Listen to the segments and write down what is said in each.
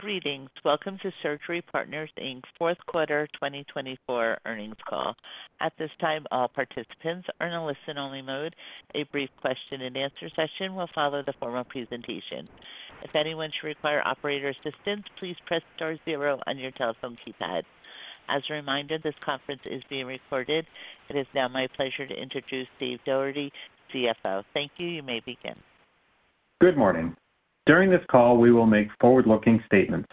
Greetings. Welcome to Surgery Partners, Inc. Q4 2024 Earnings Call. At this time, all participants are in a listen-only mode. A brief question-and-answer session will follow the formal presentation. If anyone should require operator assistance, please press star zero on your telephone keypad. As a reminder, this conference is being recorded. It is now my pleasure to introduce Dave Doherty, CFO. Thank you. You may begin. Good morning. During this call, we will make forward-looking statements.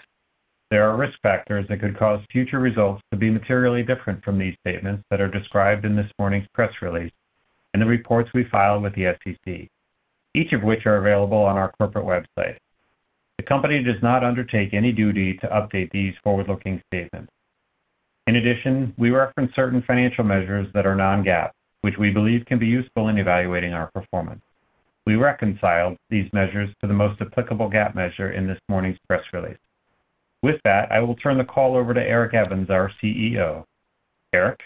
There are risk factors that could cause future results to be materially different from these statements that are described in this morning's press release and the reports we filed with the SEC, each of which are available on our corporate website. The company does not undertake any duty to update these forward-looking statements. In addition, we reference certain financial measures that are non-GAAP, which we believe can be useful in evaluating our performance. We reconcile these measures to the most applicable GAAP measure in this morning's press release. With that, I will turn the call over to Eric Evans, our CEO. Eric?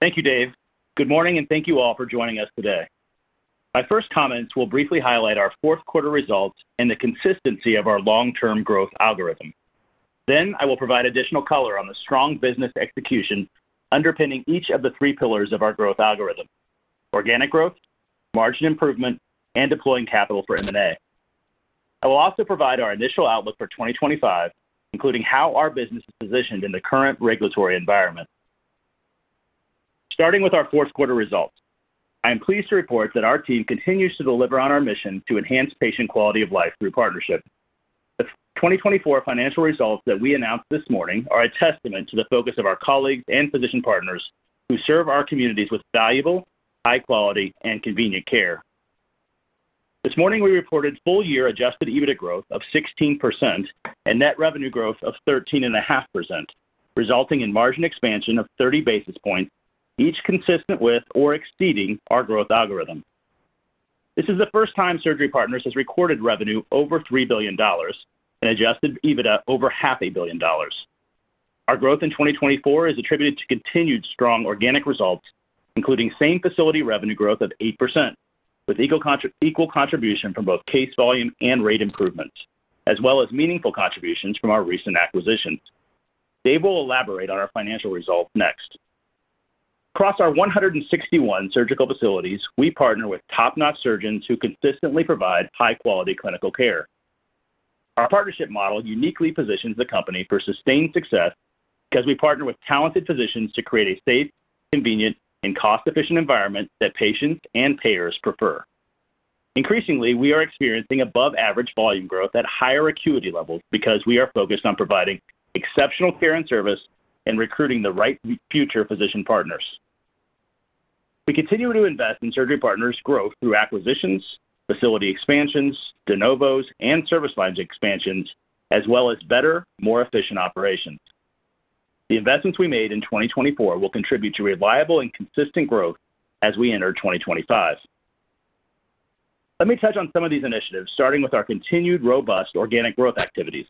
Thank you, Dave. Good morning, and thank you all for joining us today. My first comments will briefly highlight our Q4 results and the consistency of our long-term growth algorithm. Then I will provide additional color on the strong business execution underpinning each of the three pillars of our growth algorithm: organic growth, margin improvement, and deploying capital for M&A. I will also provide our initial outlook for 2025, including how our business is positioned in the current regulatory environment. Starting with our Q4 results, I am pleased to report that our team continues to deliver on our mission to enhance patient quality of life through partnership. The 2024 financial results that we announced this morning are a testament to the focus of our colleagues and physician partners who serve our communities with valuable, high-quality, and convenient care. This morning, we reported full-year Adjusted EBITDA growth of 16% and net revenue growth of 13.5%, resulting in margin expansion of 30 basis points, each consistent with or exceeding our growth algorithm. This is the first time Surgery Partners has recorded revenue over $3 billion and Adjusted EBITDA over $500 million. Our growth in 2024 is attributed to continued strong organic results, including same-facility revenue growth of 8%, with equal contribution from both case volume and rate improvements, as well as meaningful contributions from our recent acquisitions. Dave will elaborate on our financial results next. Across our 161 surgical facilities, we partner with top-notch surgeons who consistently provide high-quality clinical care. Our partnership model uniquely positions the company for sustained success because we partner with talented physicians to create a safe, convenient, and cost-efficient environment that patients and payers prefer. Increasingly, we are experiencing above-average volume growth at higher acuity levels because we are focused on providing exceptional care and service and recruiting the right future physician partners. We continue to invest in Surgery Partners' growth through acquisitions, facility expansions, de novos, and service line expansions, as well as better, more efficient operations. The investments we made in 2024 will contribute to reliable and consistent growth as we enter 2025. Let me touch on some of these initiatives, starting with our continued robust organic growth activities.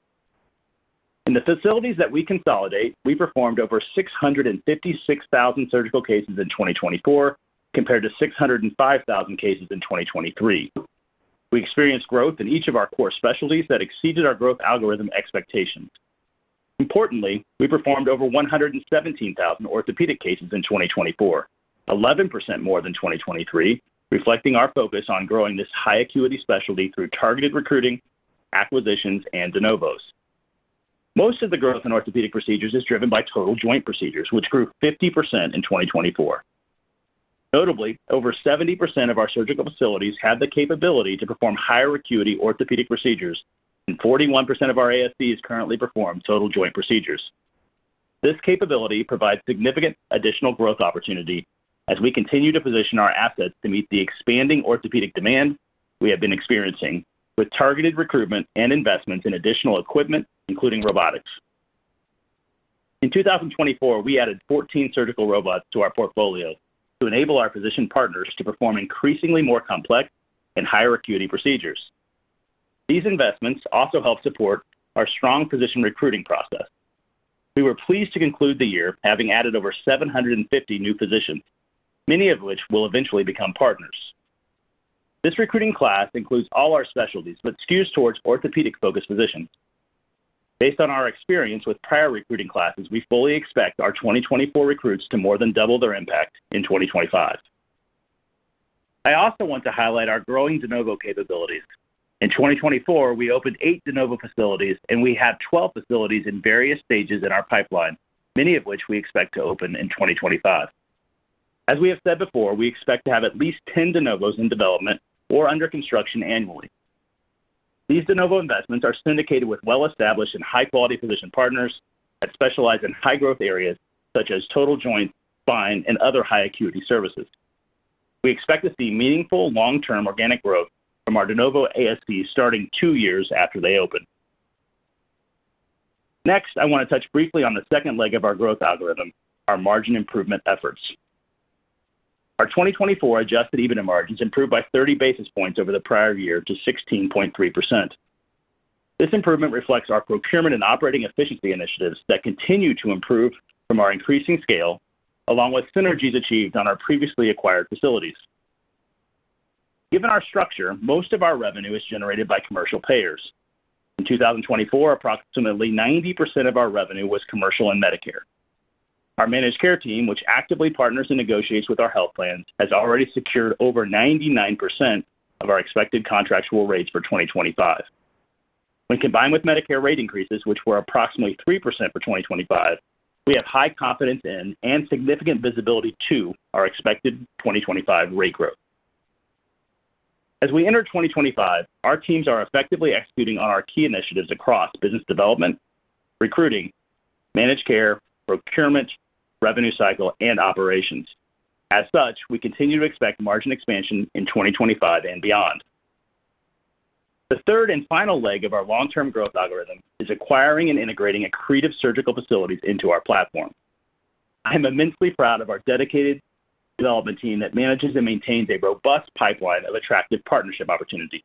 In the facilities that we consolidate, we performed over 656,000 surgical cases in 2024, compared to 605,000 cases in 2023. We experienced growth in each of our core specialties that exceeded our growth algorithm expectations. Importantly, we performed over 117,000 orthopedic cases in 2024, 11% more than 2023, reflecting our focus on growing this high-acuity specialty through targeted recruiting, acquisitions, and de novos. Most of the growth in orthopedic procedures is driven by total joint procedures, which grew 50% in 2024. Notably, over 70% of our surgical facilities have the capability to perform higher acuity orthopedic procedures, and 41% of our ASBs currently perform total joint procedures. This capability provides significant additional growth opportunity as we continue to position our assets to meet the expanding orthopedic demand we have been experiencing with targeted recruitment and investments in additional equipment, including robotics. In 2024, we added 14 surgical robots to our portfolio to enable our physician partners to perform increasingly more complex and higher acuity procedures. These investments also help support our strong physician recruiting process. We were pleased to conclude the year having added over 750 new physicians, many of which will eventually become partners. This recruiting class includes all our specialties but skews towards orthopedic-focused physicians. Based on our experience with prior recruiting classes, we fully expect our 2024 recruits to more than double their impact in 2025. I also want to highlight our growing de novo capabilities. In 2024, we opened eight de novo facilities, and we have 12 facilities in various stages in our pipeline, many of which we expect to open in 2025. As we have said before, we expect to have at least 10 de novos in development or under construction annually. These de novo investments are syndicated with well-established and high-quality physician partners that specialize in high-growth areas such as total joint, spine, and other high-acuity services. We expect to see meaningful long-term organic growth from our de novo ASBs starting two years after they open. Next, I want to touch briefly on the second leg of our growth algorithm, our margin improvement efforts. Our 2024 Adjusted EBITDA margins improved by 30 basis points over the prior year to 16.3%. This improvement reflects our procurement and operating efficiency initiatives that continue to improve from our increasing scale, along with synergies achieved on our previously acquired facilities. Given our structure, most of our revenue is generated by commercial payers. In 2024, approximately 90% of our revenue was commercial and Medicare. Our managed care team, which actively partners and negotiates with our health plans, has already secured over 99% of our expected contractual rates for 2025. When combined with Medicare rate increases, which were approximately 3% for 2025, we have high confidence in and significant visibility to our expected 2025 rate growth. As we enter 2025, our teams are effectively executing on our key initiatives across business development, recruiting, managed care, procurement, revenue cycle, and operations. As such, we continue to expect margin expansion in 2025 and beyond. The third and final leg of our long-term growth algorithm is acquiring and integrating accretive surgical facilities into our platform. I'm immensely proud of our dedicated development team that manages and maintains a robust pipeline of attractive partnership opportunities.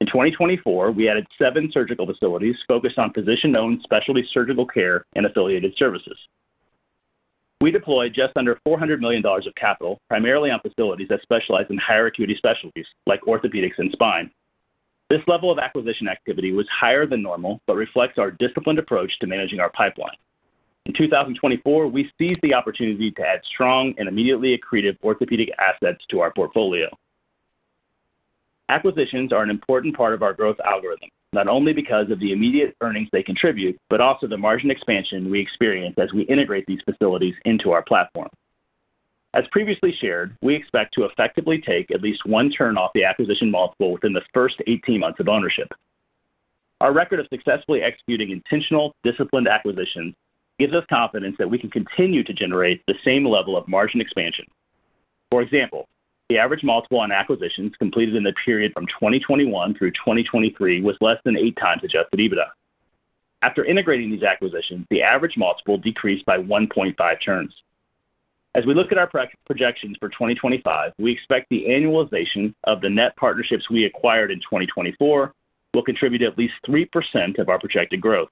In 2024, we added seven surgical facilities focused on physician-owned specialty surgical care and affiliated services. We deployed just under $400 million of capital, primarily on facilities that specialize in higher acuity specialties as like orthopedics and spine. This level of acquisition activity was higher than normal but reflects our disciplined approach to managing our pipeline. In 2024, we seized the opportunity to add strong and immediately accretive orthopedic assets to our portfolio. Acquisitions are an important part of our growth algorithm, not only because of the immediate earnings they contribute, but also the margin expansion we experience as we integrate these facilities into our platform. As previously shared, we expect to effectively take at least one turn off the acquisition multiple within the first 18 months of ownership. Our record of successfully executing intentional, disciplined acquisitions gives us confidence that we can continue to generate the same level of margin expansion. For example, the average multiple on acquisitions completed in the period from 2021 through 2023 was less than eight times Adjusted EBITDA. After integrating these acquisitions, the average multiple decreased by 1.5 turns. As we look at our projections for 2025, we expect the annualization of the net partnerships we acquired in 2024 will contribute at least 3% of our projected growth.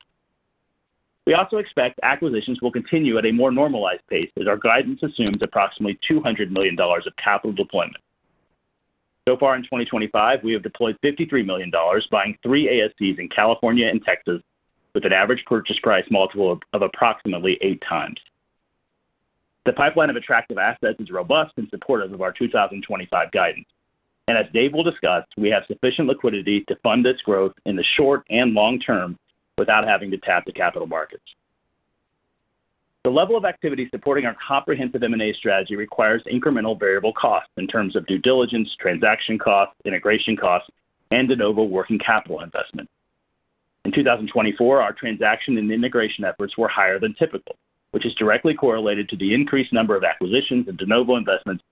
We also expect acquisitions will continue at a more normalized pace as our guidance assumes approximately $200 million of capital deployment. So far in 2025, we have deployed $53 million, buying three ASBs in California and Texas with an average purchase price multiple of approximately eight times. The pipeline of attractive assets is robust and supportive of our 2025 guidance, and as Dave will discuss, we have sufficient liquidity to fund this growth in the short and long term without having to tap the capital markets. The level of activity supporting our comprehensive M&A strategy requires incremental variable costs in terms of due diligence, transaction costs, integration costs, and de novo working capital investment. In 2024, our transaction and integration efforts were higher than typical, which is directly correlated to the increased number of acquisitions and de novo investments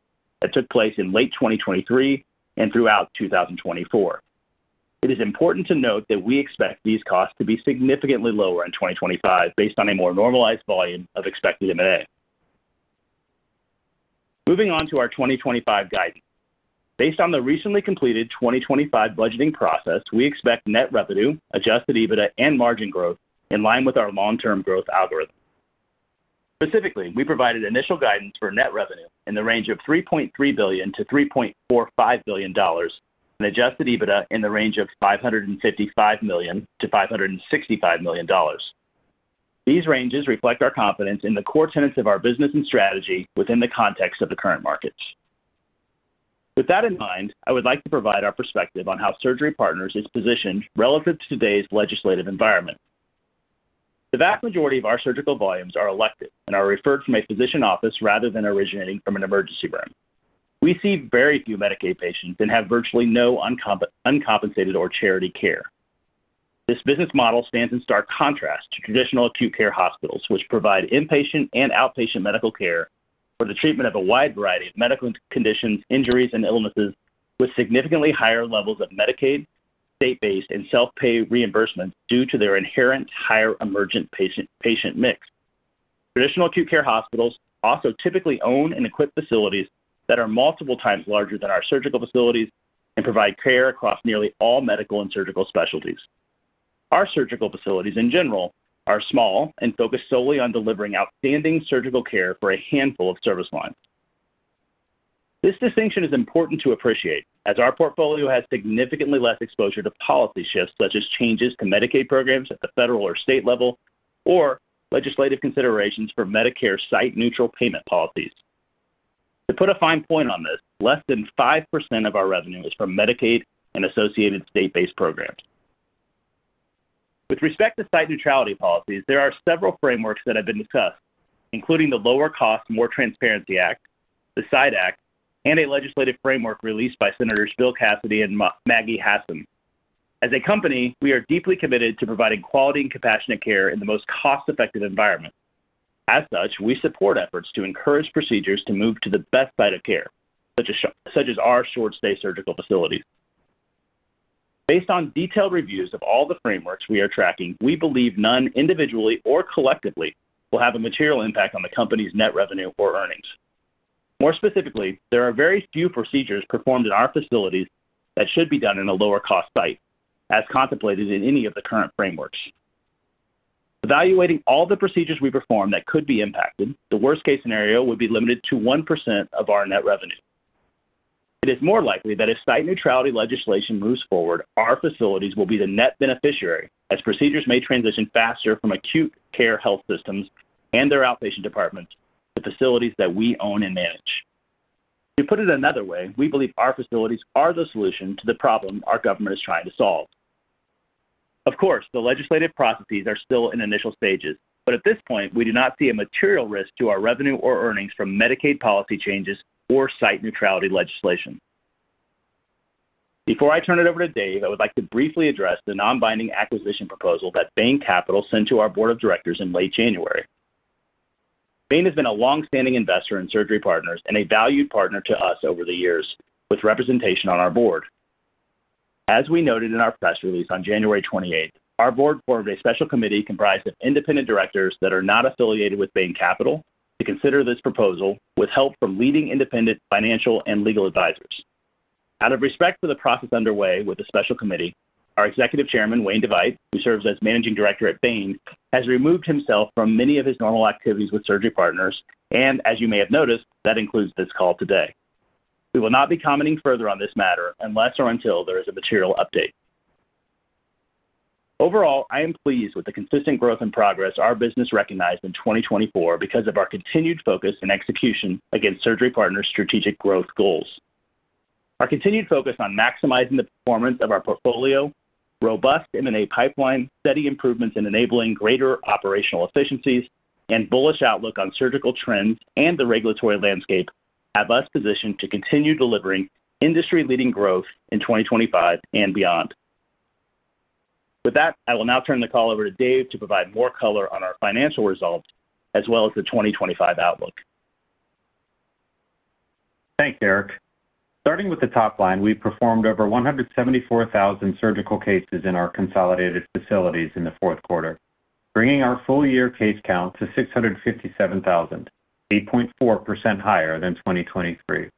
that took place in late 2023 and throughout 2024. It is important to note that we expect these costs to be significantly lower in 2025 based on a more normalized volume of expected M&A. Moving on to our 2025 guidance. Based on the recently completed 2025 budgeting process, we expect net revenue, Adjusted EBITDA, and margin growth in line with our long-term growth algorithm. Specifically, we provided initial guidance for net revenue in the range of $3.3 billion-$3.45 billion and Adjusted EBITDA in the range of $555 million-$565 million. These ranges reflect our confidence in the core tenets of our business and strategy within the context of the current markets. With that in mind, I would like to provide our perspective on how Surgery Partners is positioned relative to today's legislative environment. The vast majority of our surgical volumes are elective and are referred from a physician office rather than originating from an emergency room. We see very few Medicaid patients and have virtually no uncompensated or charity care. This business model stands in stark contrast to traditional acute care hospitals, which provide inpatient and outpatient medical care for the treatment of a wide variety of medical conditions, injuries, and illnesses with significantly higher levels of Medicaid, state-based, and self-pay reimbursements due to their inherent higher emergent patient mix. Traditional acute care hospitals also typically own and equip facilities that are multiple times larger than our surgical facilities and provide care across nearly all medical and surgical specialties. Our surgical facilities, in general, are small and focused solely on delivering outstanding surgical care for a handful of service lines. This distinction is important to appreciate as our portfolio has significantly less exposure to policy shifts such as changes to Medicaid programs at the federal or state level or legislative considerations for Medicare site-neutral payment policies. To put a fine point on this, less than 5% of our revenue is from Medicaid and associated state-based programs. With respect to site neutrality policies, there are several frameworks that have been discussed, including the Lower Costs, More Transparency Act, the SITE Act, and a legislative framework released by Senators Bill Cassidy and Maggie Hassan. As a company, we are deeply committed to providing quality and compassionate care in the most cost-effective environment. As such, we support efforts to encourage procedures to move to the best site of care, such as our short-stay surgical facilities. Based on detailed reviews of all the frameworks we are tracking, we believe none individually or collectively will have a material impact on the company's net revenue or earnings. More specifically, there are very few procedures performed in our facilities that should be done in a lower-cost site, as contemplated in any of the current frameworks. Evaluating all the procedures we perform that could be impacted, the worst-case scenario would be limited to 1% of our net revenue. It is more likely that if site neutrality legislation moves forward, our facilities will be the net beneficiary as procedures may transition faster from acute care health systems and their outpatient departments to facilities that we own and manage. To put it another way, we believe our facilities are the solution to the problem our government is trying to solve. Of course, the legislative processes are still in initial stages, but at this point, we do not see a material risk to our revenue or earnings from Medicaid policy changes or site neutrality legislation. Before I turn it over to Dave, I would like to briefly address the non-binding acquisition proposal that Bain Capital sent to our board of directors in late January. Bain has been a long-standing investor in Surgery Partners and a valued partner to us over the years, with representation on our board. As we noted in our press release on January 28th, our board formed a special committee comprised of independent directors that are not affiliated with Bain Capital to consider this proposal with help from leading independent financial and legal advisors. Out of respect for the process underway with the special committee, our Executive Chairman, Wayne DeVeydt, who serves as managing director at Bain, has removed himself from many of his normal activities with Surgery Partners, and as you may have noticed, that includes this call today. We will not be commenting further on this matter unless or until there is a material update. Overall, I am pleased with the consistent growth and progress our business recognized in 2024 because of our continued focus and execution against Surgery Partners' strategic growth goals. Our continued focus on maximizing the performance of our portfolio, robust M&A pipeline, steady improvements in enabling greater operational efficiencies, and bullish outlook on surgical trends and the regulatory landscape have us positioned to continue delivering industry-leading growth in 2025 and beyond. With that, I will now turn the call over to Dave to provide more color on our financial results as well as the 2025 outlook. Thanks, Eric. Starting with the top line, we performed over 174,000 surgical cases in our consolidated facilities in the Q4, bringing our full-year case count to 657,000, 8.4% higher than 2023.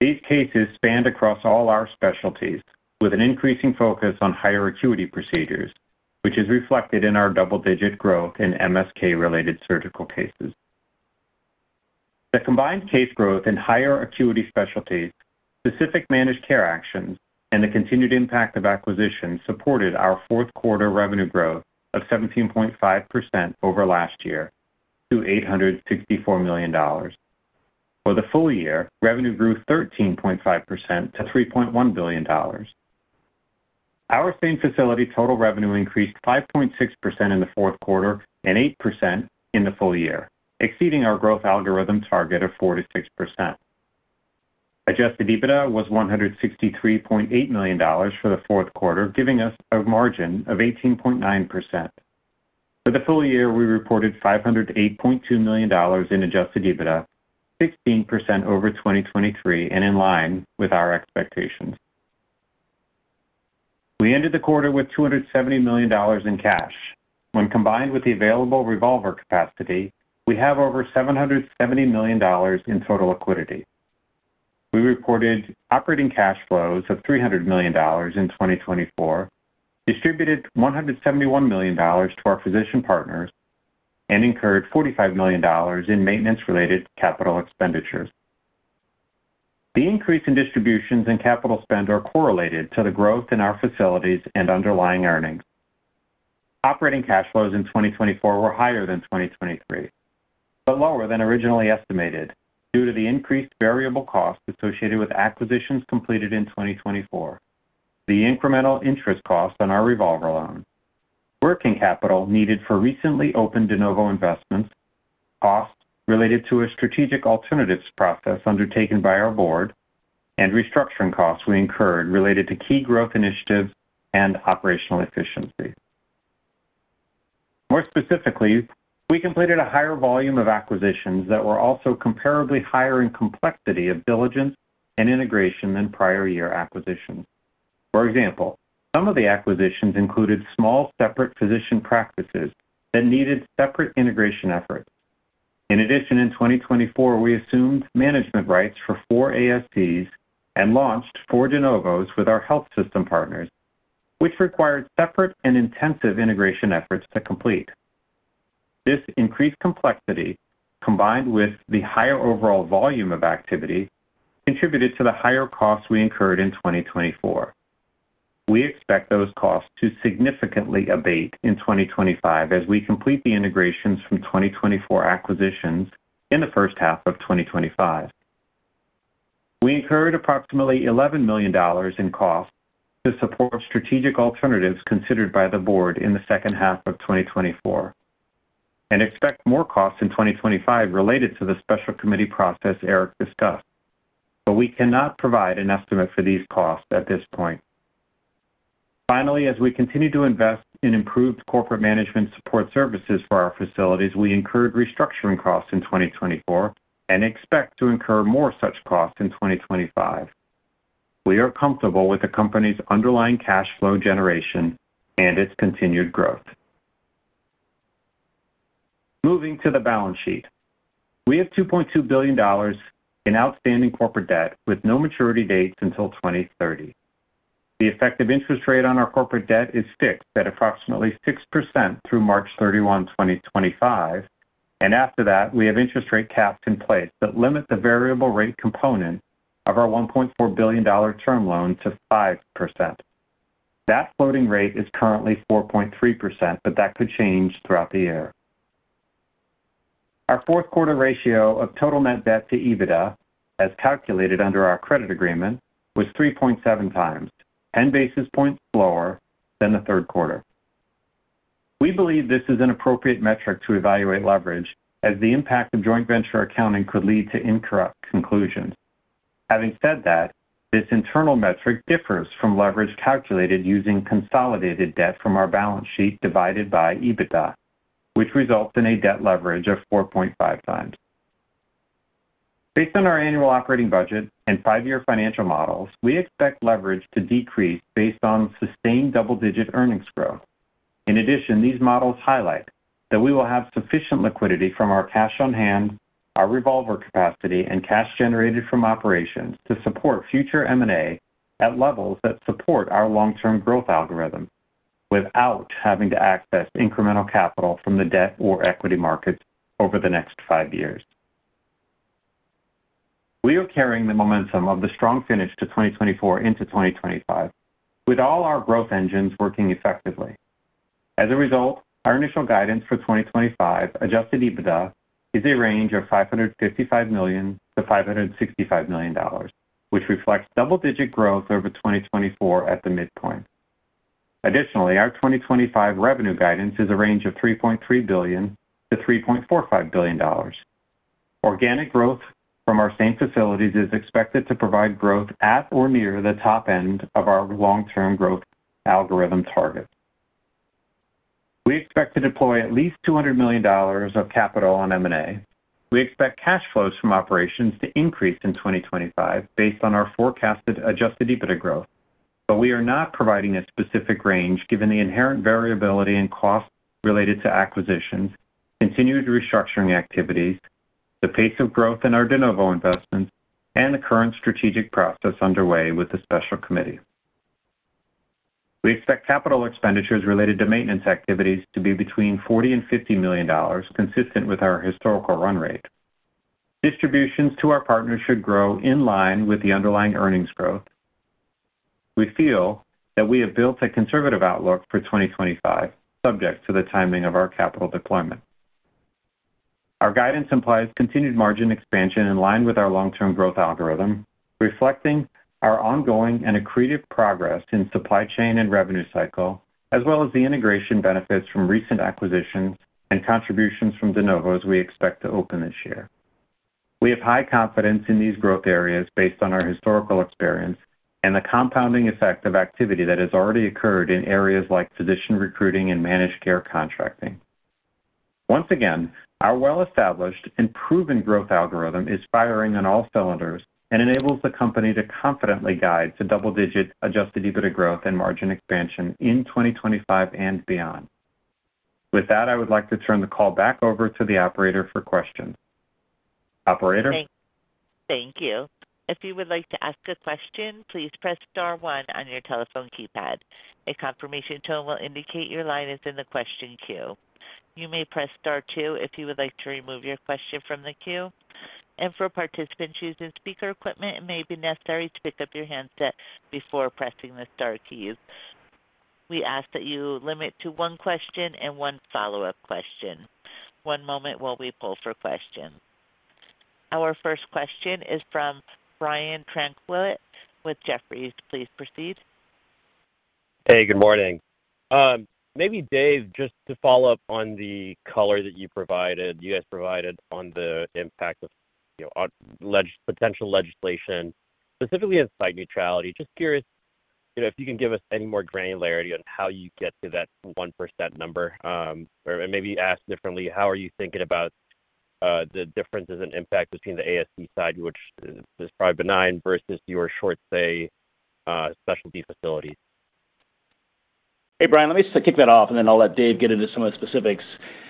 These cases spanned across all our specialties, with an increasing focus on higher acuity procedures, which is reflected in our double-digit growth in MSK-related surgical cases. The combined case growth in higher acuity specialties, specific managed care actions, and the continued impact of acquisitions supported our Q4 revenue growth of 17.5% over last year to $864 million. For the full year, revenue grew 13.5% to $3.1 billion. Our same facility total revenue increased 5.6% in the Q4 and 8% in the full year, exceeding our growth algorithm target of 46%. Adjusted EBITDA was $163.8 million for the Q4, giving us a margin of 18.9%. For the full year, we reported $508.2 million in adjusted EBITDA, 16% over 2023, and in line with our expectations. We ended the quarter with $270 million in cash. When combined with the available revolver capacity, we have over $770 million in total liquidity. We reported operating cash flows of $300 million in 2024, distributed $171 million to our physician partners, and incurred $45 million in maintenance-related capital expenditures. The increase in distributions and capital spend are correlated to the growth in our facilities and underlying earnings. Operating cash flows in 2024 were higher than 2023, but lower than originally estimated due to the increased variable costs associated with acquisitions completed in 2024, the incremental interest costs on our revolver loan, working capital needed for recently opened de novo investments, costs related to a strategic alternatives process undertaken by our board, and restructuring costs we incurred related to key growth initiatives and operational efficiency. More specifically, we completed a higher volume of acquisitions that were also comparably higher in complexity of diligence and integration than prior year acquisitions. For example, some of the acquisitions included small separate physician practices that needed separate integration efforts. In addition, in 2024, we assumed management rights for four ASBs and launched four de novos with our health system partners, which required separate and intensive integration efforts to complete. This increased complexity, combined with the higher overall volume of activity, contributed to the higher costs we incurred in 2024. We expect those costs to significantly abate in 2025 as we complete the integrations from 2024 acquisitions in the first half of 2025. We incurred approximately $11 million in costs to support strategic alternatives considered by the board in the second half of 2024 and expect more costs in 2025 related to the special committee process Eric discussed, but we cannot provide an estimate for these costs at this point. Finally, as we continue to invest in improved corporate management support services for our facilities, we incurred restructuring costs in 2024 and expect to incur more such costs in 2025. We are comfortable with the company's underlying cash flow generation and its continued growth. Moving to the balance sheet, we have $2.2 billion in outstanding corporate debt with no maturity dates until 2030. The effective interest rate on our corporate debt is fixed at approximately 6% through March 31, 2025, and after that, we have interest rate caps in place that limit the variable rate component of our $1.4 billion term loan to 5%. That floating rate is currently 4.3%, but that could change throughout the year. Our Q4 ratio of total net debt to EBITDA, as calculated under our credit agreement, was 3.7 times, 10 basis points lower than the Q3. We believe this is an appropriate metric to evaluate leverage as the impact of joint venture accounting could lead to incorrect conclusions. Having said that, this internal metric differs from leverage calculated using consolidated debt from our balance sheet divided by EBITDA, which results in a debt leverage of 4.5 times. Based on our annual operating budget and five-year financial models, we expect leverage to decrease based on sustained double-digit earnings growth. In addition, these models highlight that we will have sufficient liquidity from our cash on hand, our revolver capacity, and cash generated from operations to support future M&A at levels that support our long-term growth algorithm without having to access incremental capital from the debt or equity markets over the next five years. We are carrying the momentum of the strong finish to 2024 into 2025, with all our growth engines working effectively. As a result, our initial guidance for 2025 Adjusted EBITDA is a range of $555-$565 million, which reflects double-digit growth over 2024 at the midpoint. Additionally, our 2025 revenue guidance is a range of $3.3-$3.45 billion. Organic growth from our same facilities is expected to provide growth at or near the top end of our long-term growth algorithm target. We expect to deploy at least $200 million of capital on M&A. We expect cash flows from operations to increase in 2025 based on our forecasted Adjusted EBITDA growth, but we are not providing a specific range given the inherent variability in costs related to acquisitions, continued restructuring activities, the pace of growth in our de novo investments, and the current strategic process underway with the special committee. We expect capital expenditures related to maintenance activities to be between $40 and $50 million, consistent with our historical run rate. Distributions to our partners should grow in line with the underlying earnings growth. We feel that we have built a conservative outlook for 2025, subject to the timing of our capital deployment. Our guidance implies continued margin expansion in line with our long-term growth algorithm, reflecting our ongoing and accretive progress in supply chain and revenue cycle, as well as the integration benefits from recent acquisitions and contributions from de novos we expect to open this year. We have high confidence in these growth areas based on our historical experience and the compounding effect of activity that has already occurred in areas like physician recruiting and managed care contracting. Once again, our well-established and proven growth algorithm is firing on all cylinders and enables the company to confidently guide to double-digit Adjusted EBITDA growth and margin expansion in 2025 and beyond. With that, I would like to turn the call back over to the operator for questions. Operator. Thank you. If you would like to ask a question, please press Star 1 on your telephone keypad. A confirmation tone will indicate your line is in the question queue. You may press Star 2 if you would like to remove your question from the queue. And for participants using speaker equipment, it may be necessary to pick up your handset before pressing the Star keys. We ask that you limit to one question and one follow-up question. One moment while we pull for questions. Our first question is from Brian Tanquilut with Jefferies. Please proceed. Hey, good morning. Maybe Dave, just to follow up on the color that you provided, you guys provided on the impact of potential legislation, specifically in site neutrality. Just curious if you can give us any more granularity on how you get to that 1% number, or maybe ask differently, how are you thinking about the differences in impact between the ASB side, which is probably benign, versus your short-stay specialty facilities? Hey, Brian, let me kick that off, and then I'll let Dave get into some of the specifics.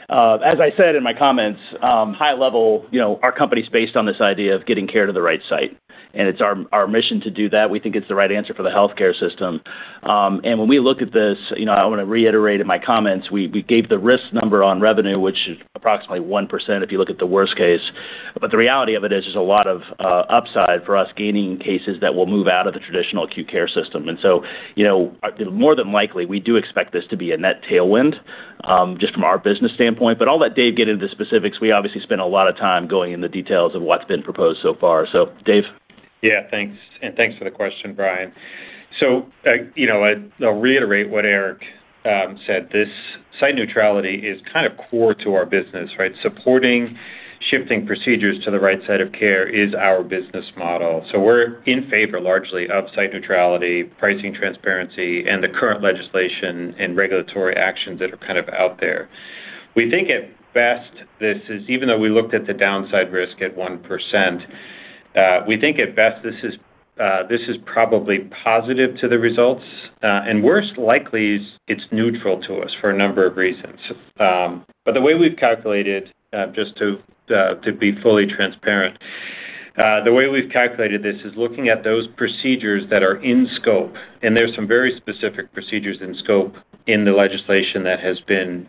As I said in my comments, high level, our company's based on this idea of getting care to the right site, and it's our mission to do that. We think it's the right answer for the healthcare system. And when we looked at this, I want to reiterate in my comments, we gave the risk number on revenue, which is approximately 1% if you look at the worst case. But the reality of it is there's a lot of upside for us gaining cases that will move out of the traditional acute care system. And so more than likely, we do expect this to be a net tailwind just from our business standpoint. But I'll let Dave get into the specifics. We obviously spent a lot of time going into the details of what's been proposed so far. So Dave. Yeah, thanks. And thanks for the question, Brian. So I'll reiterate what Eric said. This site neutrality is kind of core to our business, right? Supporting shifting procedures to the right site of care is our business model. So we're in favor largely of site neutrality, pricing transparency, and the current legislation and regulatory actions that are kind of out there. We think at best this is, even though we looked at the downside risk at 1%, we think at best this is probably positive to the results. And worst likely, it's neutral to us for a number of reasons. But the way we've calculated, just to be fully transparent, the way we've calculated this is looking at those procedures that are in scope, and there's some very specific procedures in scope in the legislation that has been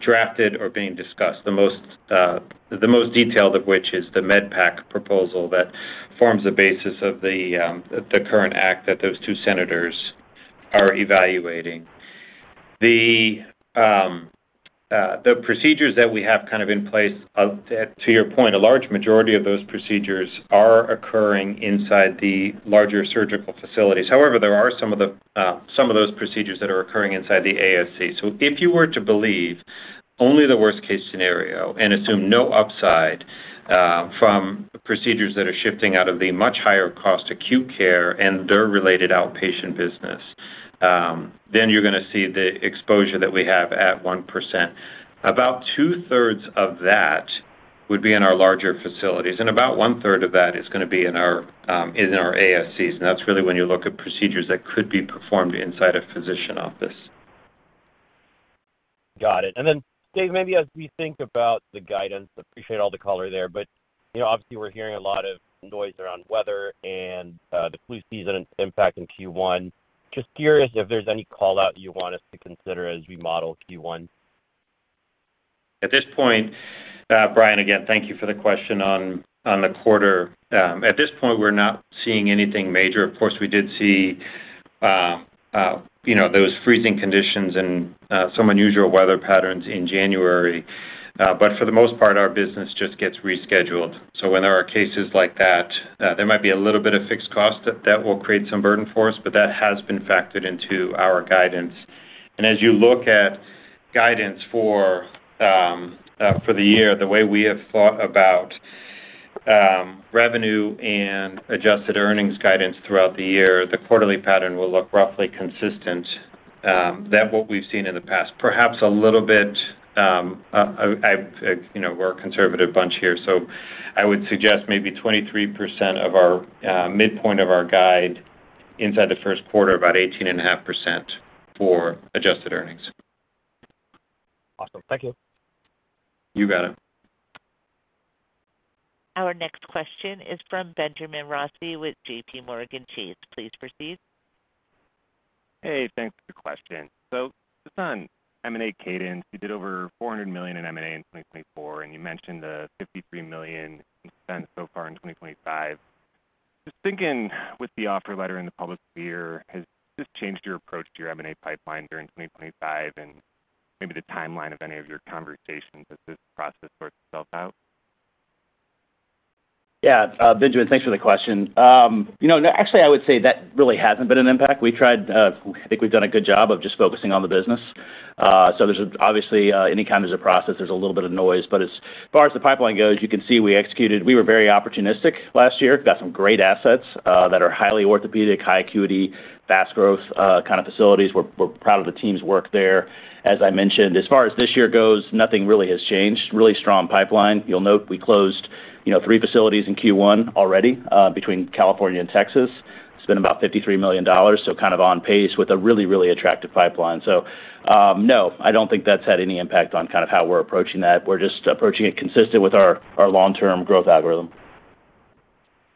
drafted or being discussed, the most detailed of which is the MedPAC proposal that forms the basis of the current act that those two senators are evaluating. The procedures that we have kind of in place, to your point, a large majority of those procedures are occurring inside the larger surgical facilities. However, there are some of those procedures that are occurring inside the ASC. So if you were to believe only the worst-case scenario and assume no upside from procedures that are shifting out of the much higher-cost acute care and their related outpatient business, then you're going to see the exposure that we have at 1%. About two-thirds of that would be in our larger facilities, and about one-third of that is going to be in our ASCs. And that's really when you look at procedures that could be performed inside a physician office. Got it. And then, Dave, maybe as we think about the guidance, appreciate all the color there, but obviously, we're hearing a lot of noise around weather and the flu season impact in Q1. Just curious if there's any callout you want us to consider as we model Q1. At this point, Brian, again, thank you for the question on the quarter. At this point, we're not seeing anything major. Of course, we did see those freezing conditions and some unusual weather patterns in January. But for the most part, our business just gets rescheduled. So when there are cases like that, there might be a little bit of fixed cost that will create some burden for us, but that has been factored into our guidance. And as you look at guidance for the year, the way we have thought about revenue and adjusted earnings guidance throughout the year, the quarterly pattern will look roughly consistent with what we've seen in the past. Perhaps a little bit, we're a conservative bunch here. So I would suggest maybe 23% of our midpoint of our guide inside the first quarter, about 18.5% for adjusted earnings. Awesome. Thank you. You got it. Our next question is from Benjamin Rossi with J.P. Morgan. Please proceed. Hey, thanks for the question. So just on M&A cadence, you did over $400 million in M&A in 2024, and you mentioned the $53 million spent so far in 2025. Just thinking with the offer letter in the public sphere, has this changed your approach to your M&A pipeline during 2025 and maybe the timeline of any of your conversations as this process sorts itself out? Yeah. Benjamin, thanks for the question. Actually, I would say that really hasn't been an impact. We tried. I think we've done a good job of just focusing on the business. So obviously, anytime there's a process, there's a little bit of noise. But as far as the pipeline goes, you can see we executed. We were very opportunistic last year. Got some great assets that are highly orthopedic, high acuity, fast-growth kind of facilities. We're proud of the team's work there. As I mentioned, as far as this year goes, nothing really has changed. Really strong pipeline. You'll note we closed three facilities in Q1 already between California and Texas. It's been about $53 million, so kind of on pace with a really, really attractive pipeline. So no, I don't think that's had any impact on kind of how we're approaching that. We're just approaching it consistent with our long-term growth algorithm.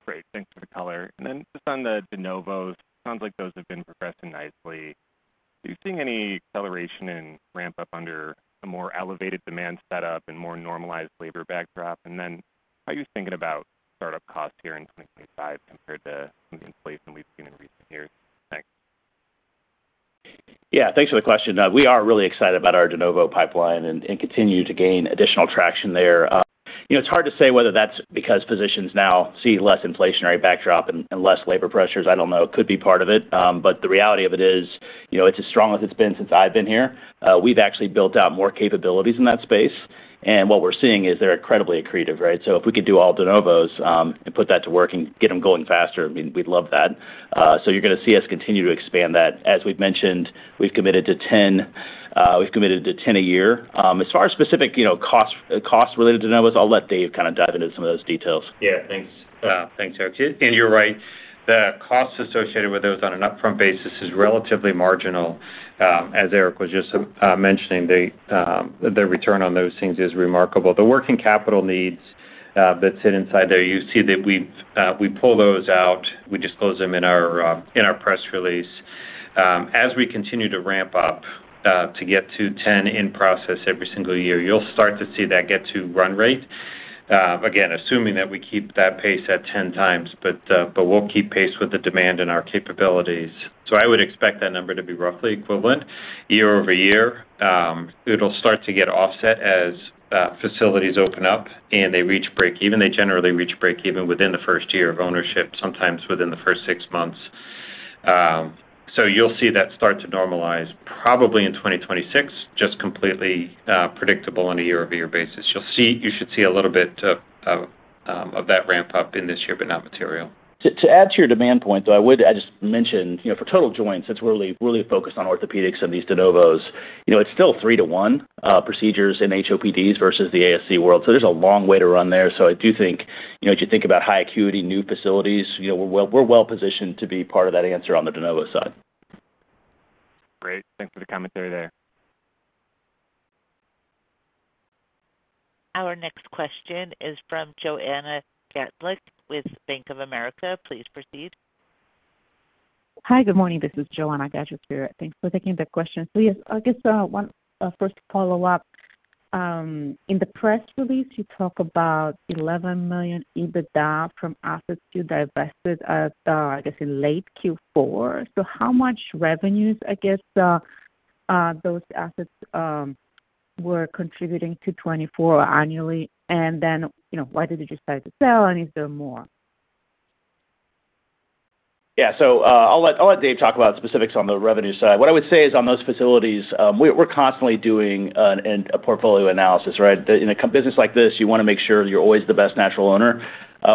Great. Thanks for the color. And then just on the de novos, it sounds like those have been progressing nicely. Do you see any acceleration in ramp-up under a more elevated demand setup and more normalized labor backdrop? And then how are you thinking about startup costs here in 2025 compared to some of the inflation we've seen in recent years? Thanks. Yeah. Thanks for the question. We are really excited about our de novo pipeline and continue to gain additional traction there. It's hard to say whether that's because physicians now see less inflationary backdrop and less labor pressures. I don't know. It could be part of it. But the reality of it is it's as strong as it's been since I've been here. We've actually built out more capabilities in that space. And what we're seeing is they're incredibly accretive, right? So if we could do all de novos and put that to work and get them going faster, we'd love that. So you're going to see us continue to expand that. As we've mentioned, we've committed to 10. We've committed to 10 a year. As far as specific cost-related de novos, I'll let Dave kind of dive into some of those details. Yeah. Thanks, Eric. And you're right. The cost associated with those on an upfront basis is relatively marginal. As Eric was just mentioning, the return on those things is remarkable. The working capital needs that sit inside there, you see that we pull those out. We disclose them in our press release. As we continue to ramp up to get to 10 in process every single year, you'll start to see that get to run rate. Again, assuming that we keep that pace at 10 times, but we'll keep pace with the demand and our capabilities. So I would expect that number to be roughly equivalent year-over-year. It'll start to get offset as facilities open up and they reach break-even. They generally reach break-even within the first year of ownership, sometimes within the first six months. So you'll see that start to normalize probably in 2026, just completely predictable on a year-over-year basis. You should see a little bit of that ramp-up in this year, but not material. To add to your demand point, though, I would just mention for total joints, it's really focused on orthopedics and these de novos. It's still three-to-one procedures in HOPDs versus the ASC world. So there's a long way to run there. So I do think if you think about high acuity new facilities, we're well-positioned to be part of that answer on the de novo side. Great. Thanks for the commentary there. Our next question is from Joanna Gajuk with Bank of America. Please proceed. Hi, good morning. This is Joanna Gajuk here. Thanks for taking the question. So yes, I guess one first follow-up. In the press release, you talk about $11 million EBITDA from assets you divested at, I guess, in late Q4. So how much revenues, I guess, those assets were contributing to 2024 annually? And then why did you decide to sell, and is there more? Yeah. So I'll let Dave talk about specifics on the revenue side. What I would say is on those facilities, we're constantly doing a portfolio analysis, right? In a business like this, you want to make sure you're always the best natural owner.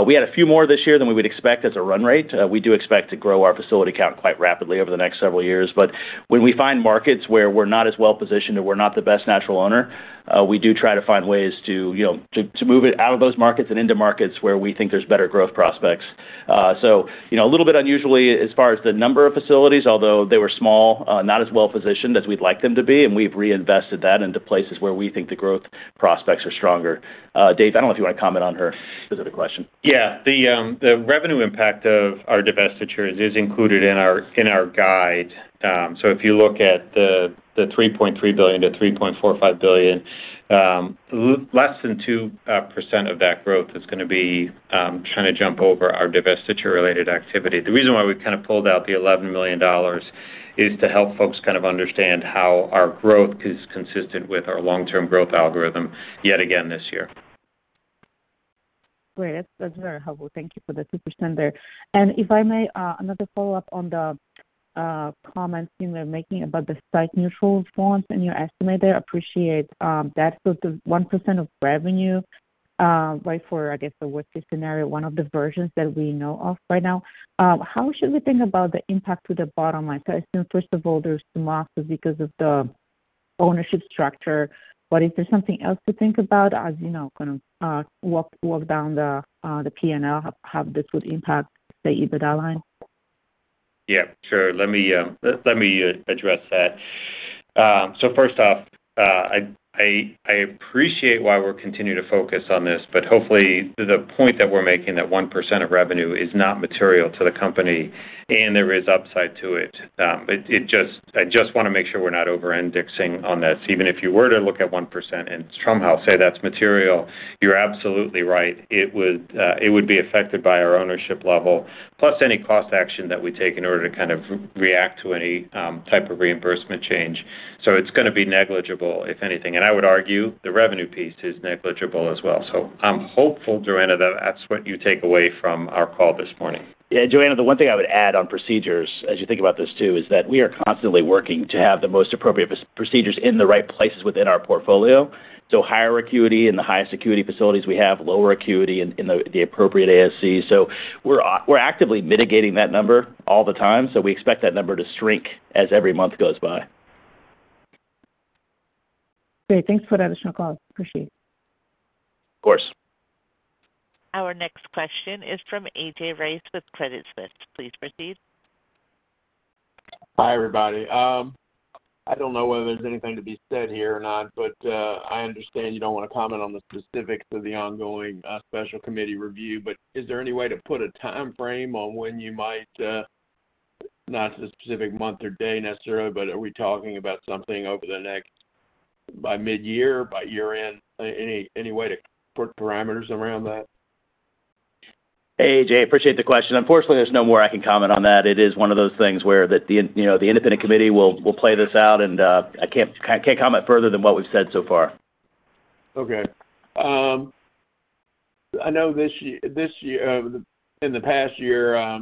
We had a few more this year than we would expect as a run rate. We do expect to grow our facility count quite rapidly over the next several years. But when we find markets where we're not as well-positioned or we're not the best natural owner, we do try to find ways to move it out of those markets and into markets where we think there's better growth prospects. So a little bit unusually as far as the number of facilities, although they were small, not as well-positioned as we'd like them to be, and we've reinvested that into places where we think the growth prospects are stronger. Dave, I don't know if you want to comment on her specific question. Yeah. The revenue impact of our divestitures is included in our guide. So if you look at the $3.3 billion-$3.45 billion, less than 2% of that growth is going to be trying to jump over our divestiture-related activity. The reason why we've kind of pulled out the $11 million is to help folks kind of understand how our growth is consistent with our long-term growth algorithm yet again this year. Great. That's very helpful. Thank you for the 2% there. And if I may, another follow-up on the comments you were making about the site neutral funds and your estimate there. Appreciate that. So the 1% of revenue, right, for, I guess, the worst-case scenario, one of the versions that we know of right now, how should we think about the impact to the bottom line? So I assume, first of all, there's some losses because of the ownership structure. But is there something else to think about as you kind of walk down the P&L, how this would impact, say, EBITDA line? Yeah. So let me address that. So first off, I appreciate why we're continuing to focus on this, but hopefully, the point that we're making, that 1% of revenue is not material to the company, and there is upside to it. I just want to make sure we're not over-indexing on this. Even if you were to look at 1% and somehow say that's material, you're absolutely right. It would be affected by our ownership level, plus any cost action that we take in order to kind of react to any type of reimbursement change. So it's going to be negligible if anything. And I would argue the revenue piece is negligible as well. So I'm hopeful, Joanna, that that's what you take away from our call this morning. Yeah. Joanna, the one thing I would add on procedures, as you think about this too, is that we are constantly working to have the most appropriate procedures in the right places within our portfolio. So higher acuity in the highest acuity facilities we have, lower acuity in the appropriate ASC. So we're actively mitigating that number all the time. So we expect that number to shrink as every month goes by. Great. Thanks for the additional call. Appreciate it. Of course. Our next question is from AJ Rice with Credit Suisse. Please proceed. Hi, everybody. I don't know whether there's anything to be said here or not, but I understand you don't want to comment on the specifics of the ongoing special committee review. But is there any way to put a time frame on when you might not a specific month or day necessarily, but are we talking about something over the next by mid-year, by year-end? Any way to put parameters around that? Hey, AJ, appreciate the question. Unfortunately, there's no more I can comment on that. It is one of those things where the independent committee will play this out, and I can't comment further than what we've said so far. Okay. I know in the past year,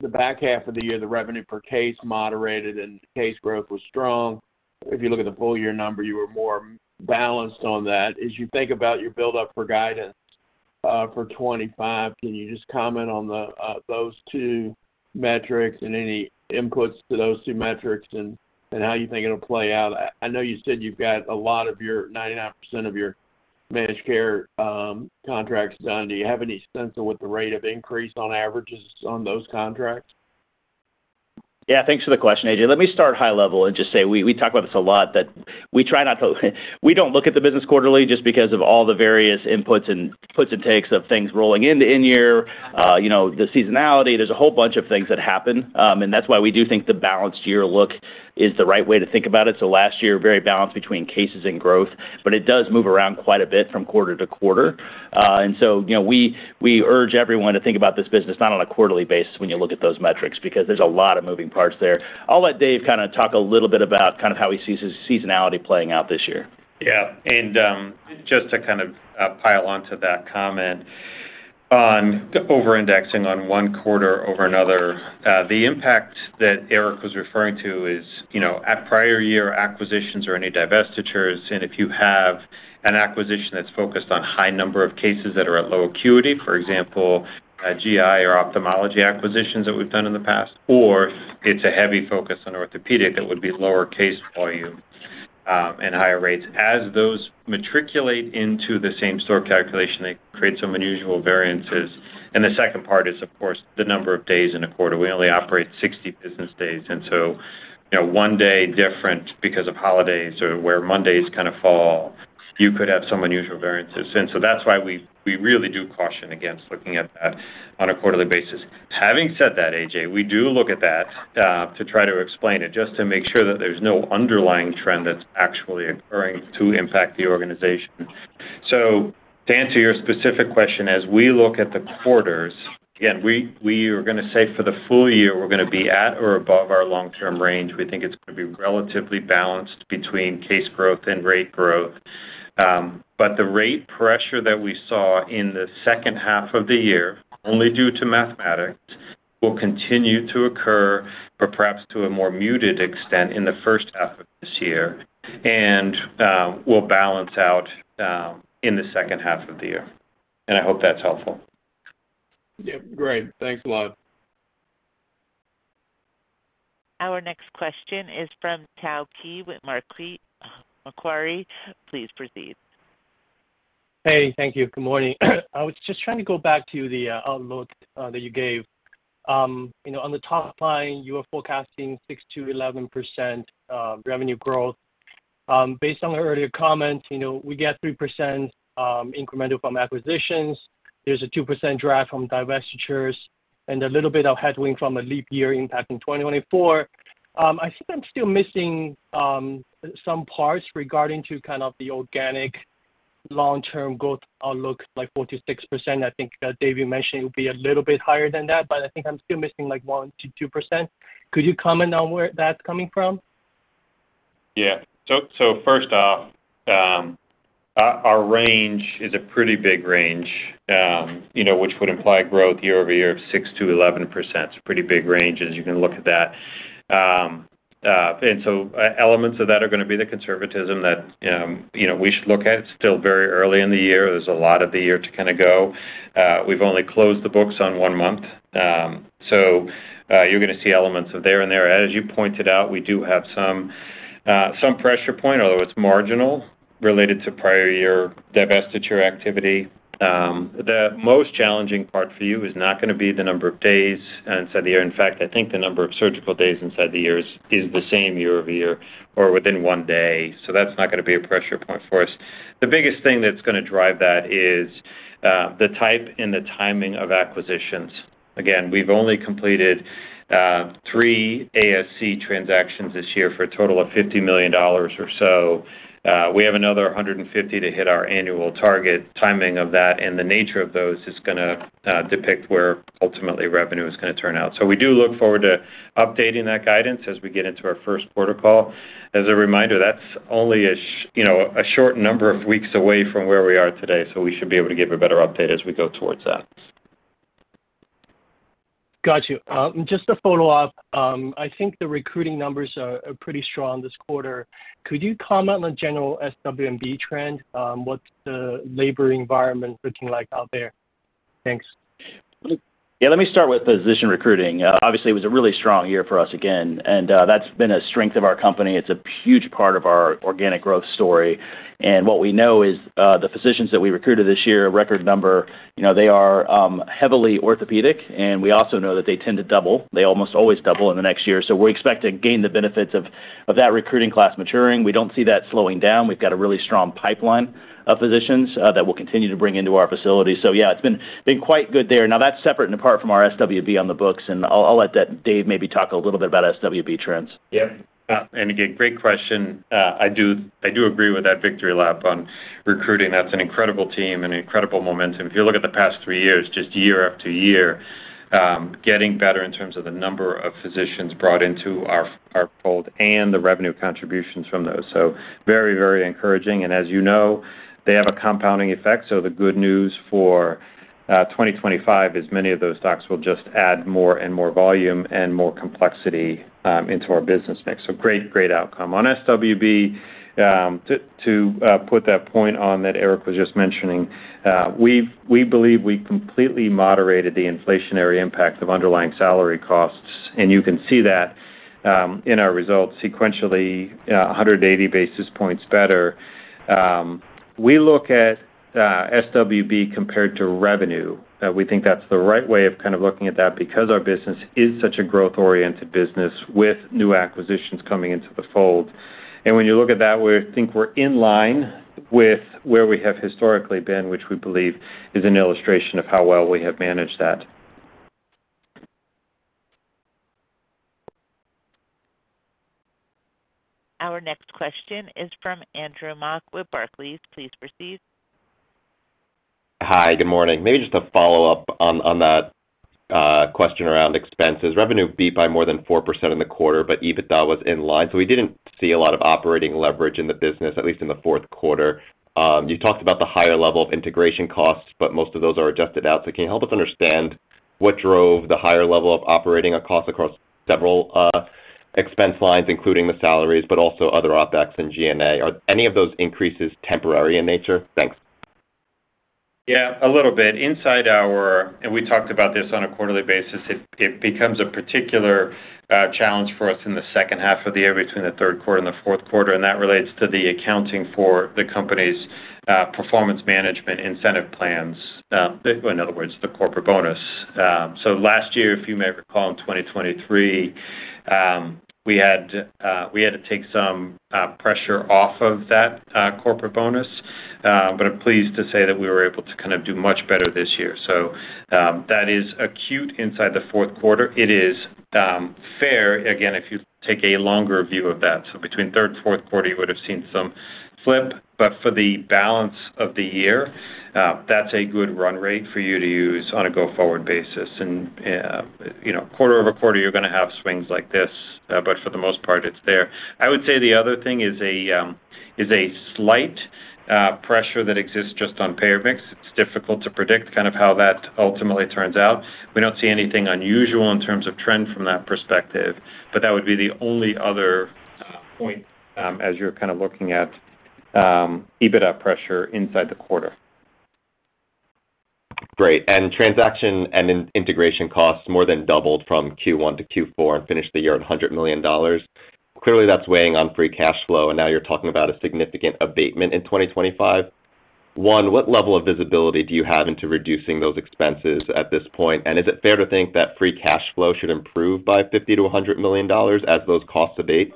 the back half of the year, the revenue per case moderated, and case growth was strong. If you look at the full-year number, you were more balanced on that. As you think about your build-up for guidance for 2025, can you just comment on those two metrics and any inputs to those two metrics and how you think it'll play out? I know you said you've got a lot of your 99% of your managed care contracts done. Do you have any sense of what the rate of increase on average is on those contracts? Yeah. Thanks for the question, AJ. Let me start high level and just say we talk about this a lot that we try not to. We don't look at the business quarterly just because of all the various inputs and takes of things rolling into in-year, the seasonality. There's a whole bunch of things that happen. That's why we do think the balanced year look is the right way to think about it. Last year, very balanced between cases and growth, but it does move around quite a bit from quarter to quarter. We urge everyone to think about this business not on a quarterly basis when you look at those metrics because there's a lot of moving parts there. I'll let Dave kind of talk a little bit about kind of how he sees his seasonality playing out this year. Yeah. Just to kind of pile onto that comment on over-indexing on one quarter over another, the impact that Eric was referring to is at prior-year acquisitions or any divestitures. And if you have an acquisition that's focused on a high number of cases that are at low acuity, for example, GI or ophthalmology acquisitions that we've done in the past, or it's a heavy focus on orthopedic, that would be lower case volume and higher rates. As those matriculate into the same store calculation, they create some unusual variances. And the second part is, of course, the number of days in a quarter. We only operate 60 business days. And so one day different because of holidays or where Mondays kind of fall, you could have some unusual variances. And so that's why we really do caution against looking at that on a quarterly basis. Having said that, AJ, we do look at that to try to explain it just to make sure that there's no underlying trend that's actually occurring to impact the organization. So to answer your specific question, as we look at the quarters, again, we are going to say for the full year, we're going to be at or above our long-term range. We think it's going to be relatively balanced between case growth and rate growth. But the rate pressure that we saw in the second half of the year, only due to mathematics, will continue to occur, but perhaps to a more muted extent in the first half of this year. And we'll balance out in the second half of the year. And I hope that's helpful. Yeah. Great. Thanks a lot. Our next question is from Tao Qiu with Macquarie. Please proceed. Hey, thank you. Good morning. I was just trying to go back to the outlook that you gave. On the top line, you were forecasting 6%-11% revenue growth. Based on your earlier comments, we get 3% incremental from acquisitions. There's a 2% drag from divestitures and a little bit of headwind from a leap year impact in 2024. I think I'm still missing some parts regarding to kind of the organic long-term growth outlook, like 4%-6%. I think David mentioned it would be a little bit higher than that, but I think I'm still missing like 1%-2%. Could you comment on where that's coming from? Yeah, so first off, our range is a pretty big range, which would imply growth year-over-year of 6%-11%. It's a pretty big range as you can look at that, and so elements of that are going to be the conservatism that we should look at. It's still very early in the year. There's a lot of the year to kind of go. We've only closed the books on one month. So you're going to see elements of there and there. As you pointed out, we do have some pressure point, although it's marginal, related to prior-year divestiture activity. The most challenging part for you is not going to be the number of days inside the year. In fact, I think the number of surgical days inside the year is the same year-over-year or within one day. So that's not going to be a pressure point for us. The biggest thing that's going to drive that is the type and the timing of acquisitions. Again, we've only completed three ASC transactions this year for a total of $50 million or so. We have another $150 million to hit our annual target. Timing of that and the nature of those is going to depict where ultimately revenue is going to turn out. So we do look forward to updating that guidance as we get into our first quarter call. As a reminder, that's only a short number of weeks away from where we are today. So we should be able to give a better update as we go towards that. Gotcha. Just to follow up, I think the recruiting numbers are pretty strong this quarter. Could you comment on general SWMB trend? What's the labor environment looking like out there? Thanks. Yeah. Let me start with physician recruiting. Obviously, it was a really strong year for us again. And that's been a strength of our company. It's a huge part of our organic growth story. And what we know is the physicians that we recruited this year, record number, they are heavily orthopedic. And we also know that they tend to double. They almost always double in the next year. We're expecting to gain the benefits of that recruiting class maturing. We don't see that slowing down. We've got a really strong pipeline of physicians that we'll continue to bring into our facility. So yeah, it's been quite good there. Now, that's separate and apart from our SWB on the books. And I'll let Dave maybe talk a little bit about SWB trends. Yeah. And again, great question. I do agree with that victory lap on recruiting. That's an incredible team and incredible momentum. If you look at the past three years, just year after year, getting better in terms of the number of physicians brought into our fold and the revenue contributions from those. So very, very encouraging. And as you know, they have a compounding effect. So the good news for 2025 is many of those stocks will just add more and more volume and more complexity into our business mix. So great, great outcome. On SWB, to put that point on that Eric was just mentioning, we believe we completely moderated the inflationary impact of underlying salary costs. And you can see that in our results, sequentially 180 basis points better. We look at SWB compared to revenue. We think that's the right way of kind of looking at that because our business is such a growth-oriented business with new acquisitions coming into the fold. And when you look at that, we think we're in line with where we have historically been, which we believe is an illustration of how well we have managed that. Our next question is from Andrew Mok with Barclays. Please proceed. Hi. Good morning. Maybe just a follow-up on that question around expenses. Revenue beat by more than 4% in the quarter, but EBITDA was in line. So we didn't see a lot of operating leverage in the business, at least in the Q4. You talked about the higher level of integration costs, but most of those are adjusted out. So can you help us understand what drove the higher level of operating costs across several expense lines, including the salaries, but also other OpEx and G&A? Are any of those increases temporary in nature? Thanks. Yeah. A little bit. Inside our, and we talked about this on a quarterly basis, it becomes a particular challenge for us in the second half of the year between the Q3 and the Q4, and that relates to the accounting for the company's performance management incentive plans, in other words, the corporate bonus. So last year, if you may recall, in 2023, we had to take some pressure off of that corporate bonus. But I'm pleased to say that we were able to kind of do much better this year. So that is acute inside the Q4. It is fair. Again, if you take a longer view of that, so between third and Q4, you would have seen some flip. But for the balance of the year, that's a good run rate for you to use on a go-forward basis. And quarter over quarter, you're going to have swings like this. But for the most part, it's there. I would say the other thing is a slight pressure that exists just on payer mix. It's difficult to predict kind of how that ultimately turns out. We don't see anything unusual in terms of trend from that perspective. But that would be the only other point as you're kind of looking at EBITDA pressure inside the quarter. Great. And transaction and integration costs more than doubled from Q1 to Q4 and finished the year at $100 million. Clearly, that's weighing on free cash flow. And now you're talking about a significant abatement in 2025. One, what level of visibility do you have into reducing those expenses at this point? And is it fair to think that free cash flow should improve by $50-$100 million as those costs abate?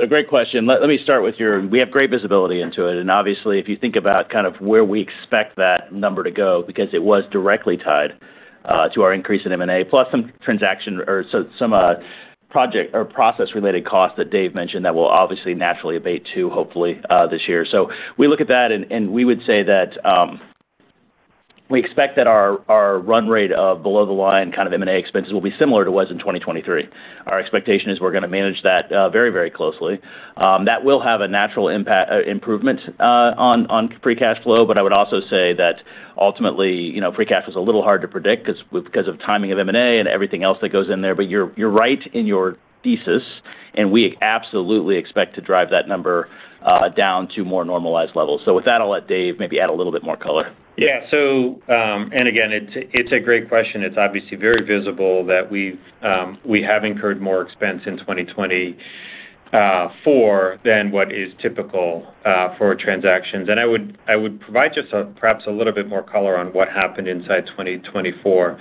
Thanks. A great question. Let me start with your—we have great visibility into it. And obviously, if you think about kind of where we expect that number to go because it was directly tied to our increase in M&A, plus some transaction or some project or process-related costs that Dave mentioned that will obviously naturally abate too, hopefully, this year. So we look at that, and we would say that we expect that our run rate of below-the-line kind of M&A expenses will be similar to what was in 2023. Our expectation is we're going to manage that very, very closely. That will have a natural improvement on free cash flow. But I would also say that ultimately, free cash flow is a little hard to predict because of timing of M&A and everything else that goes in there. But you're right in your thesis. And we absolutely expect to drive that number down to more normalized levels. So with that, I'll let Dave maybe add a little bit more color. Yeah. And again, it's a great question. It's obviously very visible that we have incurred more expense in 2024 than what is typical for transactions. And I would provide just perhaps a little bit more color on what happened inside 2024.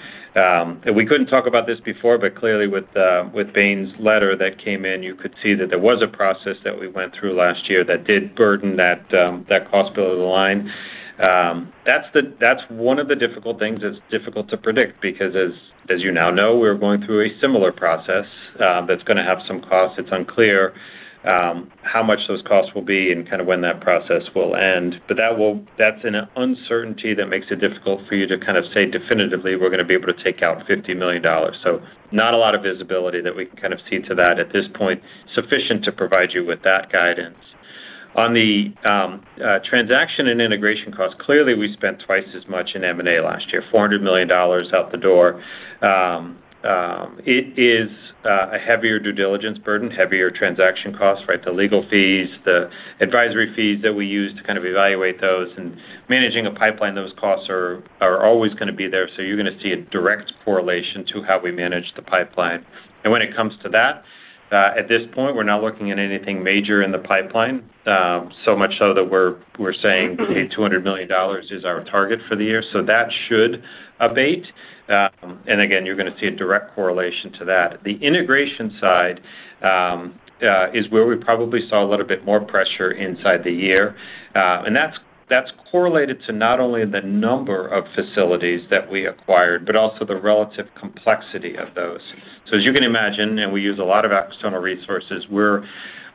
We couldn't talk about this before, but clearly, with Bain's letter that came in, you could see that there was a process that we went through last year that did burden that cost below the line. That's one of the difficult things that's difficult to predict because, as you now know, we're going through a similar process that's going to have some costs. It's unclear how much those costs will be and kind of when that process will end. But that's an uncertainty that makes it difficult for you to kind of say definitively, "We're going to be able to take out $50 million." So not a lot of visibility that we can kind of see to that at this point, sufficient to provide you with that guidance. On the transaction and integration costs, clearly, we spent twice as much in M&A last year, $400 million out the door. It is a heavier due diligence burden, heavier transaction costs, right? The legal fees, the advisory fees that we use to kind of evaluate those. And managing a pipeline, those costs are always going to be there. So you're going to see a direct correlation to how we manage the pipeline. And when it comes to that, at this point, we're not looking at anything major in the pipeline, so much so that we're saying, "Hey, $200 million is our target for the year." So that should abate. And again, you're going to see a direct correlation to that. The integration side is where we probably saw a little bit more pressure inside the year. And that's correlated to not only the number of facilities that we acquired, but also the relative complexity of those. So as you can imagine, and we use a lot of external resources, we're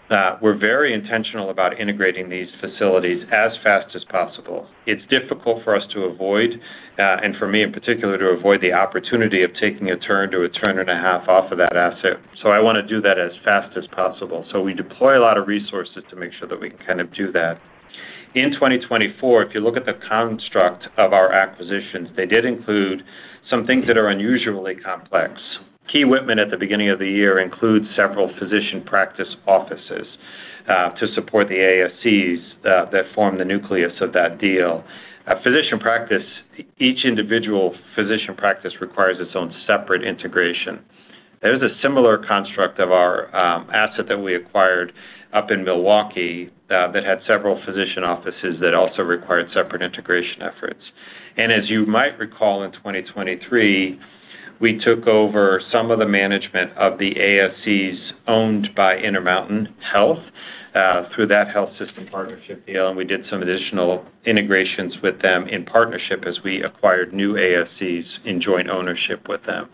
very intentional about integrating these facilities as fast as possible. It's difficult for us to avoid, and for me in particular, to avoid the opportunity of taking a turn to a turn and a half off of that asset. So I want to do that as fast as possible. So we deploy a lot of resources to make sure that we can kind of do that. In 2024, if you look at the construct of our acquisitions, they did include some things that are unusually complex. Key-Whitman at the beginning of the year includes several physician practice offices to support the ASCs that form the nucleus of that deal. Each individual physician practice requires its own separate integration. There's a similar construct of our asset that we acquired up in Milwaukee that had several physician offices that also required separate integration efforts. And as you might recall, in 2023, we took over some of the management of the ASCs owned by Intermountain Health through that health system partnership deal. And we did some additional integrations with them in partnership as we acquired new ASCs in joint ownership with them.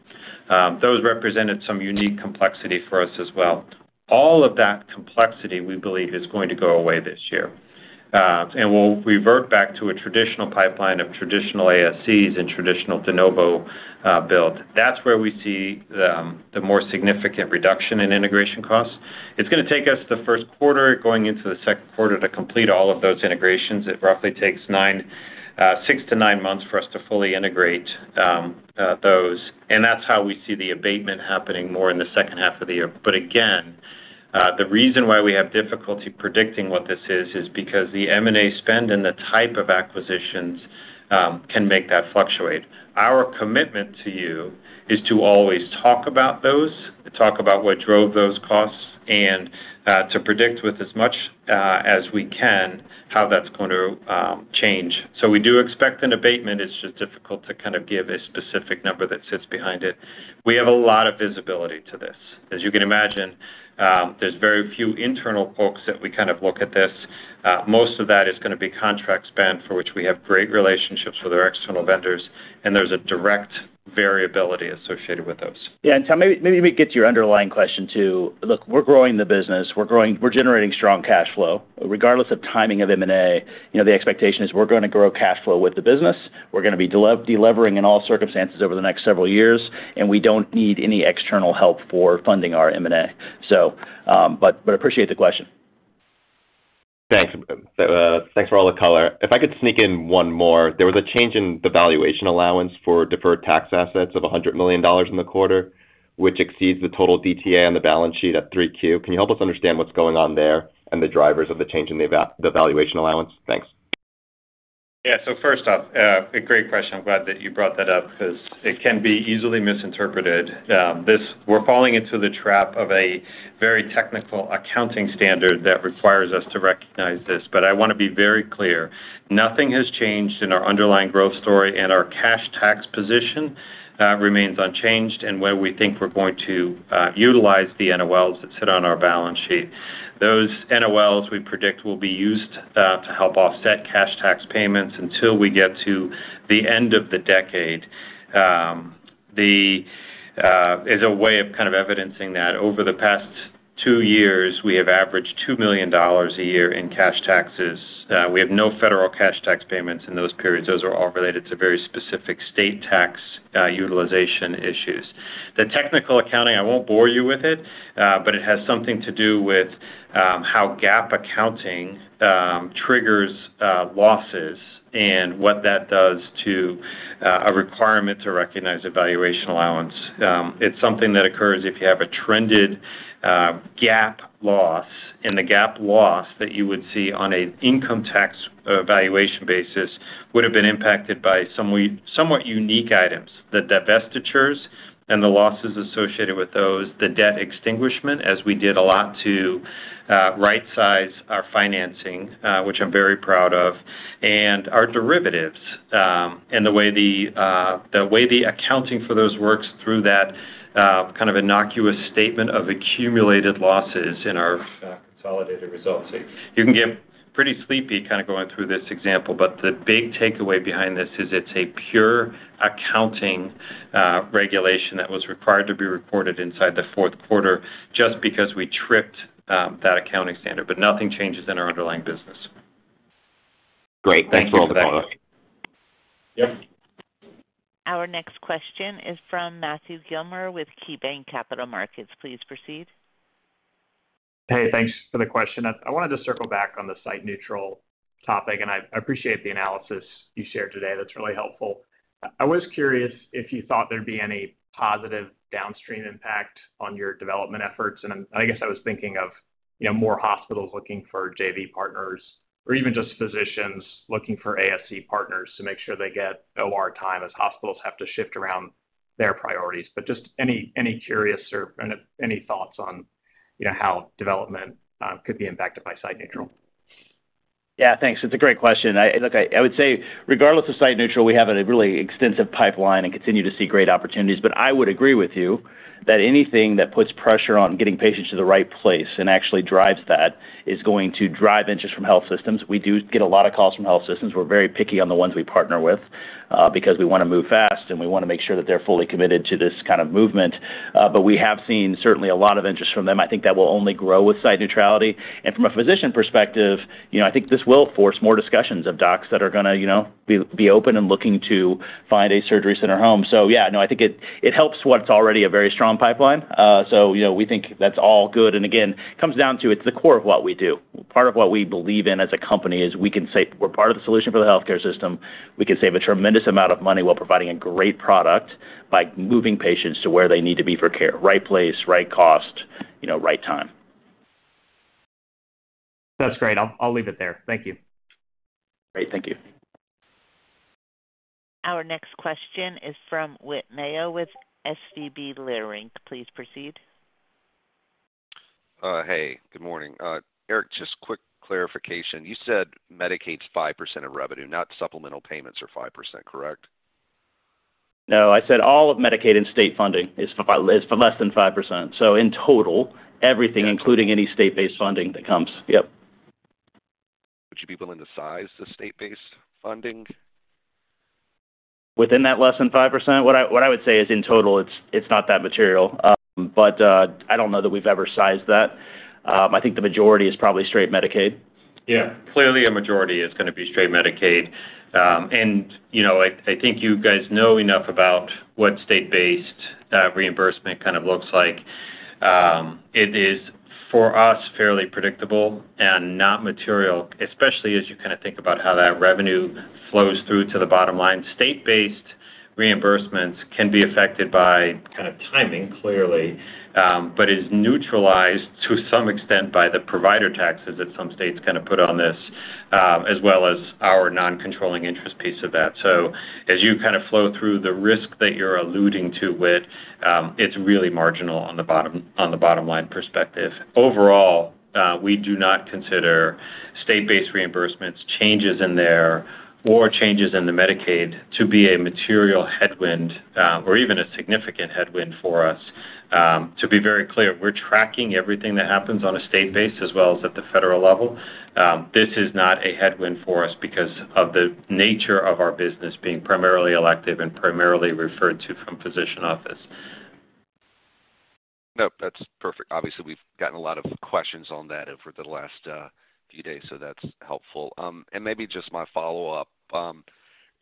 Those represented some unique complexity for us as well. All of that complexity, we believe, is going to go away this year. And we'll revert back to a traditional pipeline of traditional ASCs and traditional de novo build. That's where we see the more significant reduction in integration costs. It's going to take us the first quarter going into the Q2 to complete all of those integrations. It roughly takes six to nine months for us to fully integrate those. And that's how we see the abatement happening more in the second half of the year. But again, the reason why we have difficulty predicting what this is is because the M&A spend and the type of acquisitions can make that fluctuate. Our commitment to you is to always talk about those, talk about what drove those costs, and to predict with as much as we can how that's going to change. So we do expect an abatement. It's just difficult to kind of give a specific number that sits behind it. We have a lot of visibility to this. As you can imagine, there's very few internal folks that we kind of look at this. Most of that is going to be contract spend for which we have great relationships with our external vendors. And there's a direct variability associated with those. Yeah. And maybe we get to your underlying question too. Look, we're growing the business. We're generating strong cash flow. Regardless of timing of M&A, the expectation is we're going to grow cash flow with the business. We're going to be delivering in all circumstances over the next several years. And we don't need any external help for funding our M&A. But I appreciate the question. Thanks. Thanks for all the color. If I could sneak in one more, there was a change in the valuation allowance for deferred tax assets of $100 million in the quarter, which exceeds the total DTA on the balance sheet at 3Q. Can you help us understand what's going on there and the drivers of the change in the valuation allowance? Thanks. Yeah, so first off, a great question. I'm glad that you brought that up because it can be easily misinterpreted. We're falling into the trap of a very technical accounting standard that requires us to recognize this. But I want to be very clear. Nothing has changed in our underlying growth story, and our cash tax position remains unchanged in where we think we're going to utilize the NOLs that sit on our balance sheet. Those NOLs we predict will be used to help offset cash tax payments until we get to the end of the decade. As a way of kind of evidencing that, over the past two years, we have averaged $2 million a year in cash taxes. We have no federal cash tax payments in those periods. Those are all related to very specific state tax utilization issues. The technical accounting, I won't bore you with it, but it has something to do with how GAAP accounting triggers losses and what that does to a requirement to recognize a valuation allowance. It's something that occurs if you have a trended GAAP loss. And the GAAP loss that you would see on an income tax valuation basis would have been impacted by somewhat unique items, the divestitures and the losses associated with those, the debt extinguishment, as we did a lot to right-size our financing, which I'm very proud of, and our derivatives and the way the accounting for those works through that kind of innocuous statement of accumulated losses in our consolidated results. You can get pretty sleepy kind of going through this example. But the big takeaway behind this is it's a pure accounting regulation that was required to be reported inside the Q4 just because we tripped that accounting standard. But nothing changes in our underlying business. Great. Thanks for all the color. Yep. Our next question is from Matthew Gillmor with KeyBanc Capital Markets. Please proceed. Hey, thanks for the question. I wanted to circle back on the site-neutral topic, and I appreciate the analysis you shared today. That's really helpful. I was curious if you thought there'd be any positive downstream impact on your development efforts, and I guess I was thinking of more hospitals looking for JV partners or even just physicians looking for ASC partners to make sure they get OR time as hospitals have to shift around their priorities, but just any curious or any thoughts on how development could be impacted by site-neutral. Yeah. Thanks. It's a great question. Look, I would say regardless of site-neutral, we have a really extensive pipeline and continue to see great opportunities, but I would agree with you that anything that puts pressure on getting patients to the right place and actually drives that is going to drive interest from health systems. We do get a lot of calls from health systems. We're very picky on the ones we partner with because we want to move fast, and we want to make sure that they're fully committed to this kind of movement. But we have seen certainly a lot of interest from them. I think that will only grow with site neutrality. And from a physician perspective, I think this will force more discussions of docs that are going to be open and looking to find a surgery center home. So yeah, no, I think it helps what's already a very strong pipeline. So we think that's all good. And again, it comes down to it's the core of what we do. Part of what we believe in as a company is we can say we're part of the solution for the healthcare system. We can save a tremendous amount of money while providing a great product by moving patients to where they need to be for care: right place, right cost, right time. That's great. I'll leave it there. Thank you. Great. Thank you. Our next question is from Whit Mayo with SVB Leerink. Please proceed. Hey, good morning. Eric, just quick clarification. You said Medicaid's 5% of revenue, not supplemental payments are 5%, correct? No. I said all of Medicaid and state funding is for less than 5%. So in total, everything, including any state-based funding that comes. Yep. Would you be willing to size the state-based funding? Within that less than 5%? What I would say is in total, it's not that material. But I don't know that we've ever sized that. I think the majority is probably straight Medicaid. Yeah. Clearly, a majority is going to be straight Medicaid. I think you guys know enough about what state-based reimbursement kind of looks like. It is, for us, fairly predictable and not material, especially as you kind of think about how that revenue flows through to the bottom line. State-based reimbursements can be affected by kind of timing, clearly, but is neutralized to some extent by the provider taxes that some states kind of put on this, as well as our non-controlling interest piece of that. So as you kind of flow through the risk that you're alluding to with, it's really marginal on the bottom line perspective. Overall, we do not consider state-based reimbursements, changes in there, or changes in the Medicaid to be a material headwind or even a significant headwind for us. To be very clear, we're tracking everything that happens on a state basis as well as at the federal level. This is not a headwind for us because of the nature of our business being primarily elective and primarily referred to from physician office. Nope. That's perfect. Obviously, we've gotten a lot of questions on that over the last few days, so that's helpful. And maybe just my follow-up.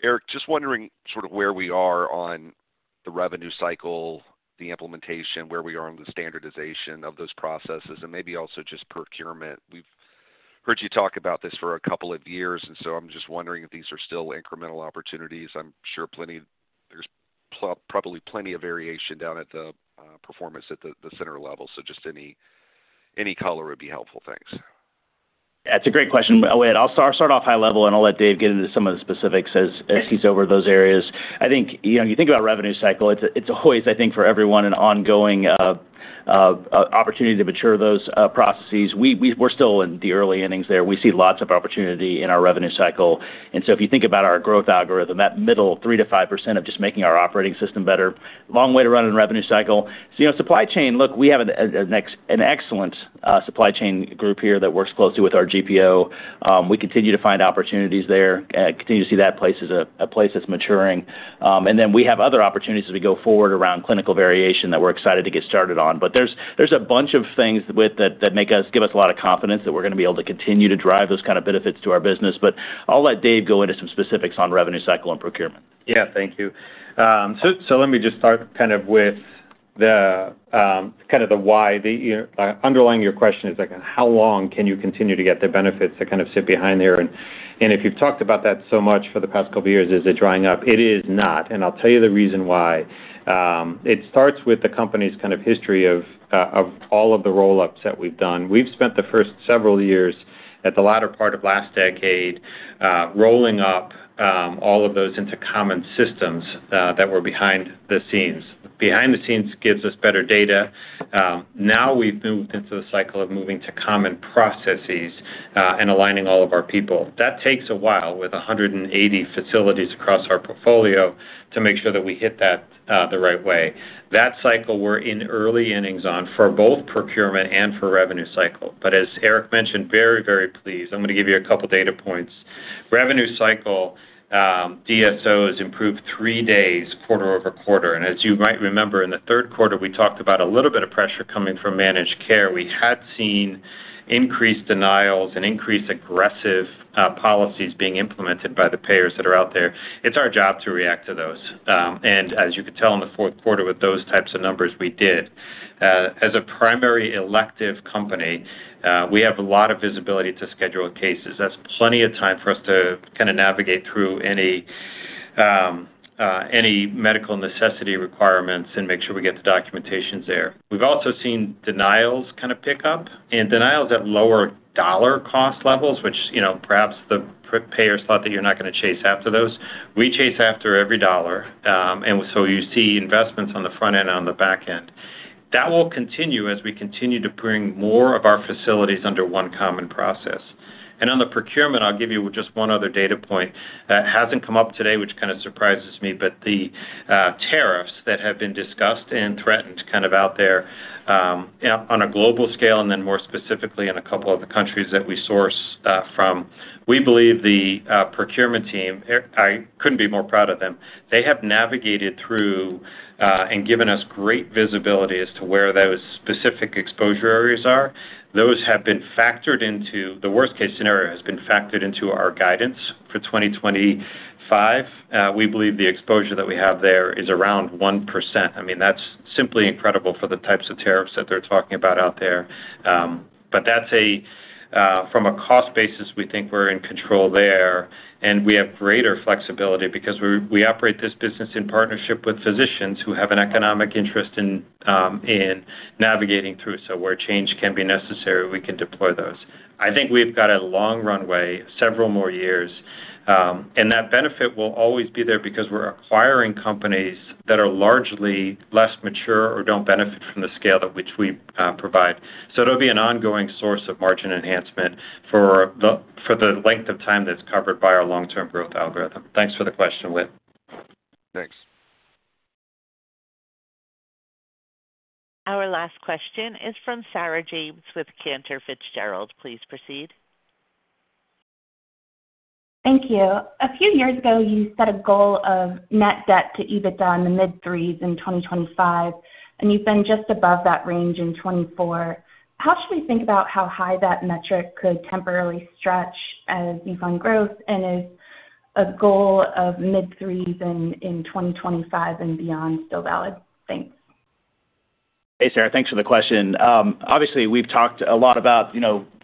Eric, just wondering sort of where we are on the revenue cycle, the implementation, where we are on the standardization of those processes, and maybe also just procurement. We've heard you talk about this for a couple of years. And so I'm just wondering if these are still incremental opportunities. I'm sure there's probably plenty of variation down at the performance at the center level. So just any color would be helpful. Thanks. That's a great question. Oh, wait. I'll start off high level, and I'll let Dave get into some of the specifics as he's over those areas. I think you think about revenue cycle. It's always, I think, for everyone, an ongoing opportunity to mature those processes. We're still in the early innings there. We see lots of opportunity in our revenue cycle. And so if you think about our growth algorithm, that middle 3%-5% of just making our operating system better, long way to run in revenue cycle. So supply chain, look, we have an excellent supply chain group here that works closely with our GPO. We continue to find opportunities there. I continue to see that place as a place that's maturing. And then we have other opportunities as we go forward around clinical variation that we're excited to get started on. But there's a bunch of things that make us give a lot of confidence that we're going to be able to continue to drive those kind of benefits to our business. But I'll let Dave go into some specifics on revenue cycle and procurement. Yeah. Thank you. So let me just start kind of with the why. Underlying your question is, how long can you continue to get the benefits that kind of sit behind there? And if you've talked about that so much for the past couple of years, is it drying up? It is not. And I'll tell you the reason why. It starts with the company's kind of history of all of the roll-ups that we've done. We've spent the first several years at the latter part of last decade rolling up all of those into common systems that were behind the scenes. Behind the scenes gives us better data. Now we've moved into the cycle of moving to common processes and aligning all of our people. That takes a while with 180 facilities across our portfolio to make sure that we hit that the right way. That cycle we're in early innings on for both procurement and for revenue cycle. But as Eric mentioned, very, very pleased, I'm going to give you a couple of data points. Revenue cycle DSOs improved three days quarter over quarter. And as you might remember, in the Q3, we talked about a little bit of pressure coming from managed care. We had seen increased denials and increased aggressive policies being implemented by the payers that are out there. It's our job to react to those. And as you could tell in the Q4 with those types of numbers, we did. As a primary elective company, we have a lot of visibility to schedule cases. That's plenty of time for us to kind of navigate through any medical necessity requirements and make sure we get the documentation there. We've also seen denials kind of pick up. And denials at lower dollar cost levels, which perhaps the payers thought that you're not going to chase after those. We chase after every dollar. And so you see investments on the front end and on the back end. That will continue as we continue to bring more of our facilities under one common process. And on the procurement, I'll give you just one other data point. It hasn't come up today, which kind of surprises me, but the tariffs that have been discussed and threatened kind of out there on a global scale and then more specifically in a couple of the countries that we source from. We believe the procurement team. I couldn't be more proud of them. They have navigated through and given us great visibility as to where those specific exposure areas are. Those have been factored into the worst-case scenario, has been factored into our guidance for 2025. We believe the exposure that we have there is around 1%. I mean, that's simply incredible for the types of tariffs that they're talking about out there but from a cost basis, we think we're in control there and we have greater flexibility because we operate this business in partnership with physicians who have an economic interest in navigating through. So where change can be necessary, we can deploy those. I think we've got a long runway, several more years. And that benefit will always be there because we're acquiring companies that are largely less mature or don't benefit from the scale at which we provide. So it'll be an ongoing source of margin enhancement for the length of time that's covered by our long-term growth algorithm. Thanks for the question, Whit. Thanks. Our last question is from Sarah James with Cantor Fitzgerald. Please proceed. Thank you. A few years ago, you set a goal of net debt to EBITDA in the mid-threes in 2025. And you've been just above that range in 2024. How should we think about how high that metric could temporarily stretch as you fund growth? And is a goal of mid-threes in 2025 and beyond still valid? Thanks. Hey, Sarah. Thanks for the question. Obviously, we've talked a lot about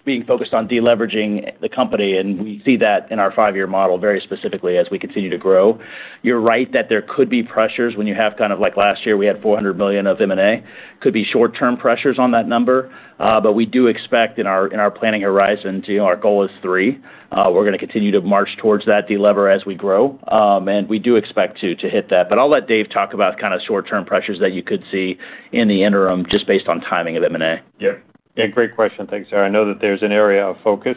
being focused on deleveraging the company. And we see that in our five-year model very specifically as we continue to grow. You're right that there could be pressures when you have kind of like last year, we had $400 million of M&A. Could be short-term pressures on that number. But we do expect in our planning horizon, our goal is three. We're going to continue to march towards that delever as we grow. And we do expect to hit that. But I'll let Dave talk about kind of short-term pressures that you could see in the interim just based on timing of M&A. Yeah. Yeah. Great question. Thanks, Sarah. I know that there's an area of focus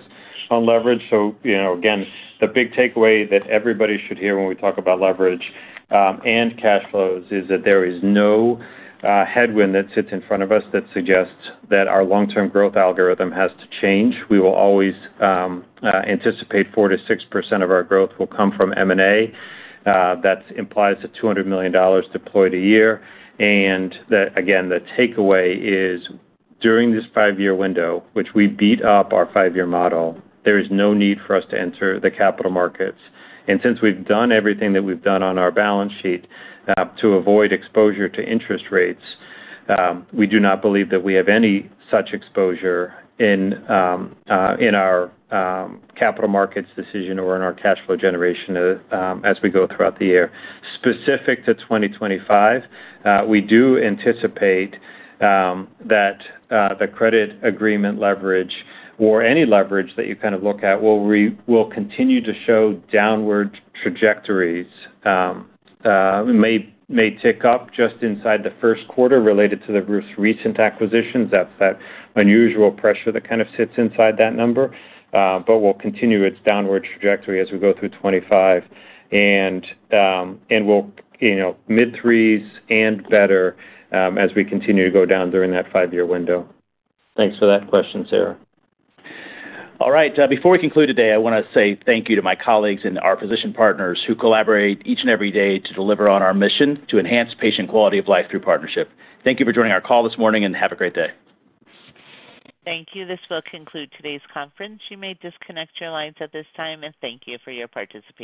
on leverage. So again, the big takeaway that everybody should hear when we talk about leverage and cash flows is that there is no headwind that sits in front of us that suggests that our long-term growth algorithm has to change. We will always anticipate 4%-6% of our growth will come from M&A. That implies a $200 million deployed a year. And again, the takeaway is during this five-year window, which we beat up our five-year model, there is no need for us to enter the capital markets. And since we've done everything that we've done on our balance sheet to avoid exposure to interest rates, we do not believe that we have any such exposure in our capital markets decision or in our cash flow generation as we go throughout the year. Specific to 2025, we do anticipate that the credit agreement leverage or any leverage that you kind of look at will continue to show downward trajectories. It may tick up just inside the first quarter related to the recent acquisitions. That's that unusual pressure that kind of sits inside that number. But we'll continue its downward trajectory as we go through 2025. And we'll mid-threes and better as we continue to go down during that five-year window. Thanks for that question, Sarah. All right. Before we conclude today, I want to say thank you to my colleagues and our physician partners who collaborate each and every day to deliver on our mission to enhance patient quality of life through partnership. Thank you for joining our call this morning and have a great day. Thank you. This will conclude today's conference. You may disconnect your lines at this time. Thank you for your participation.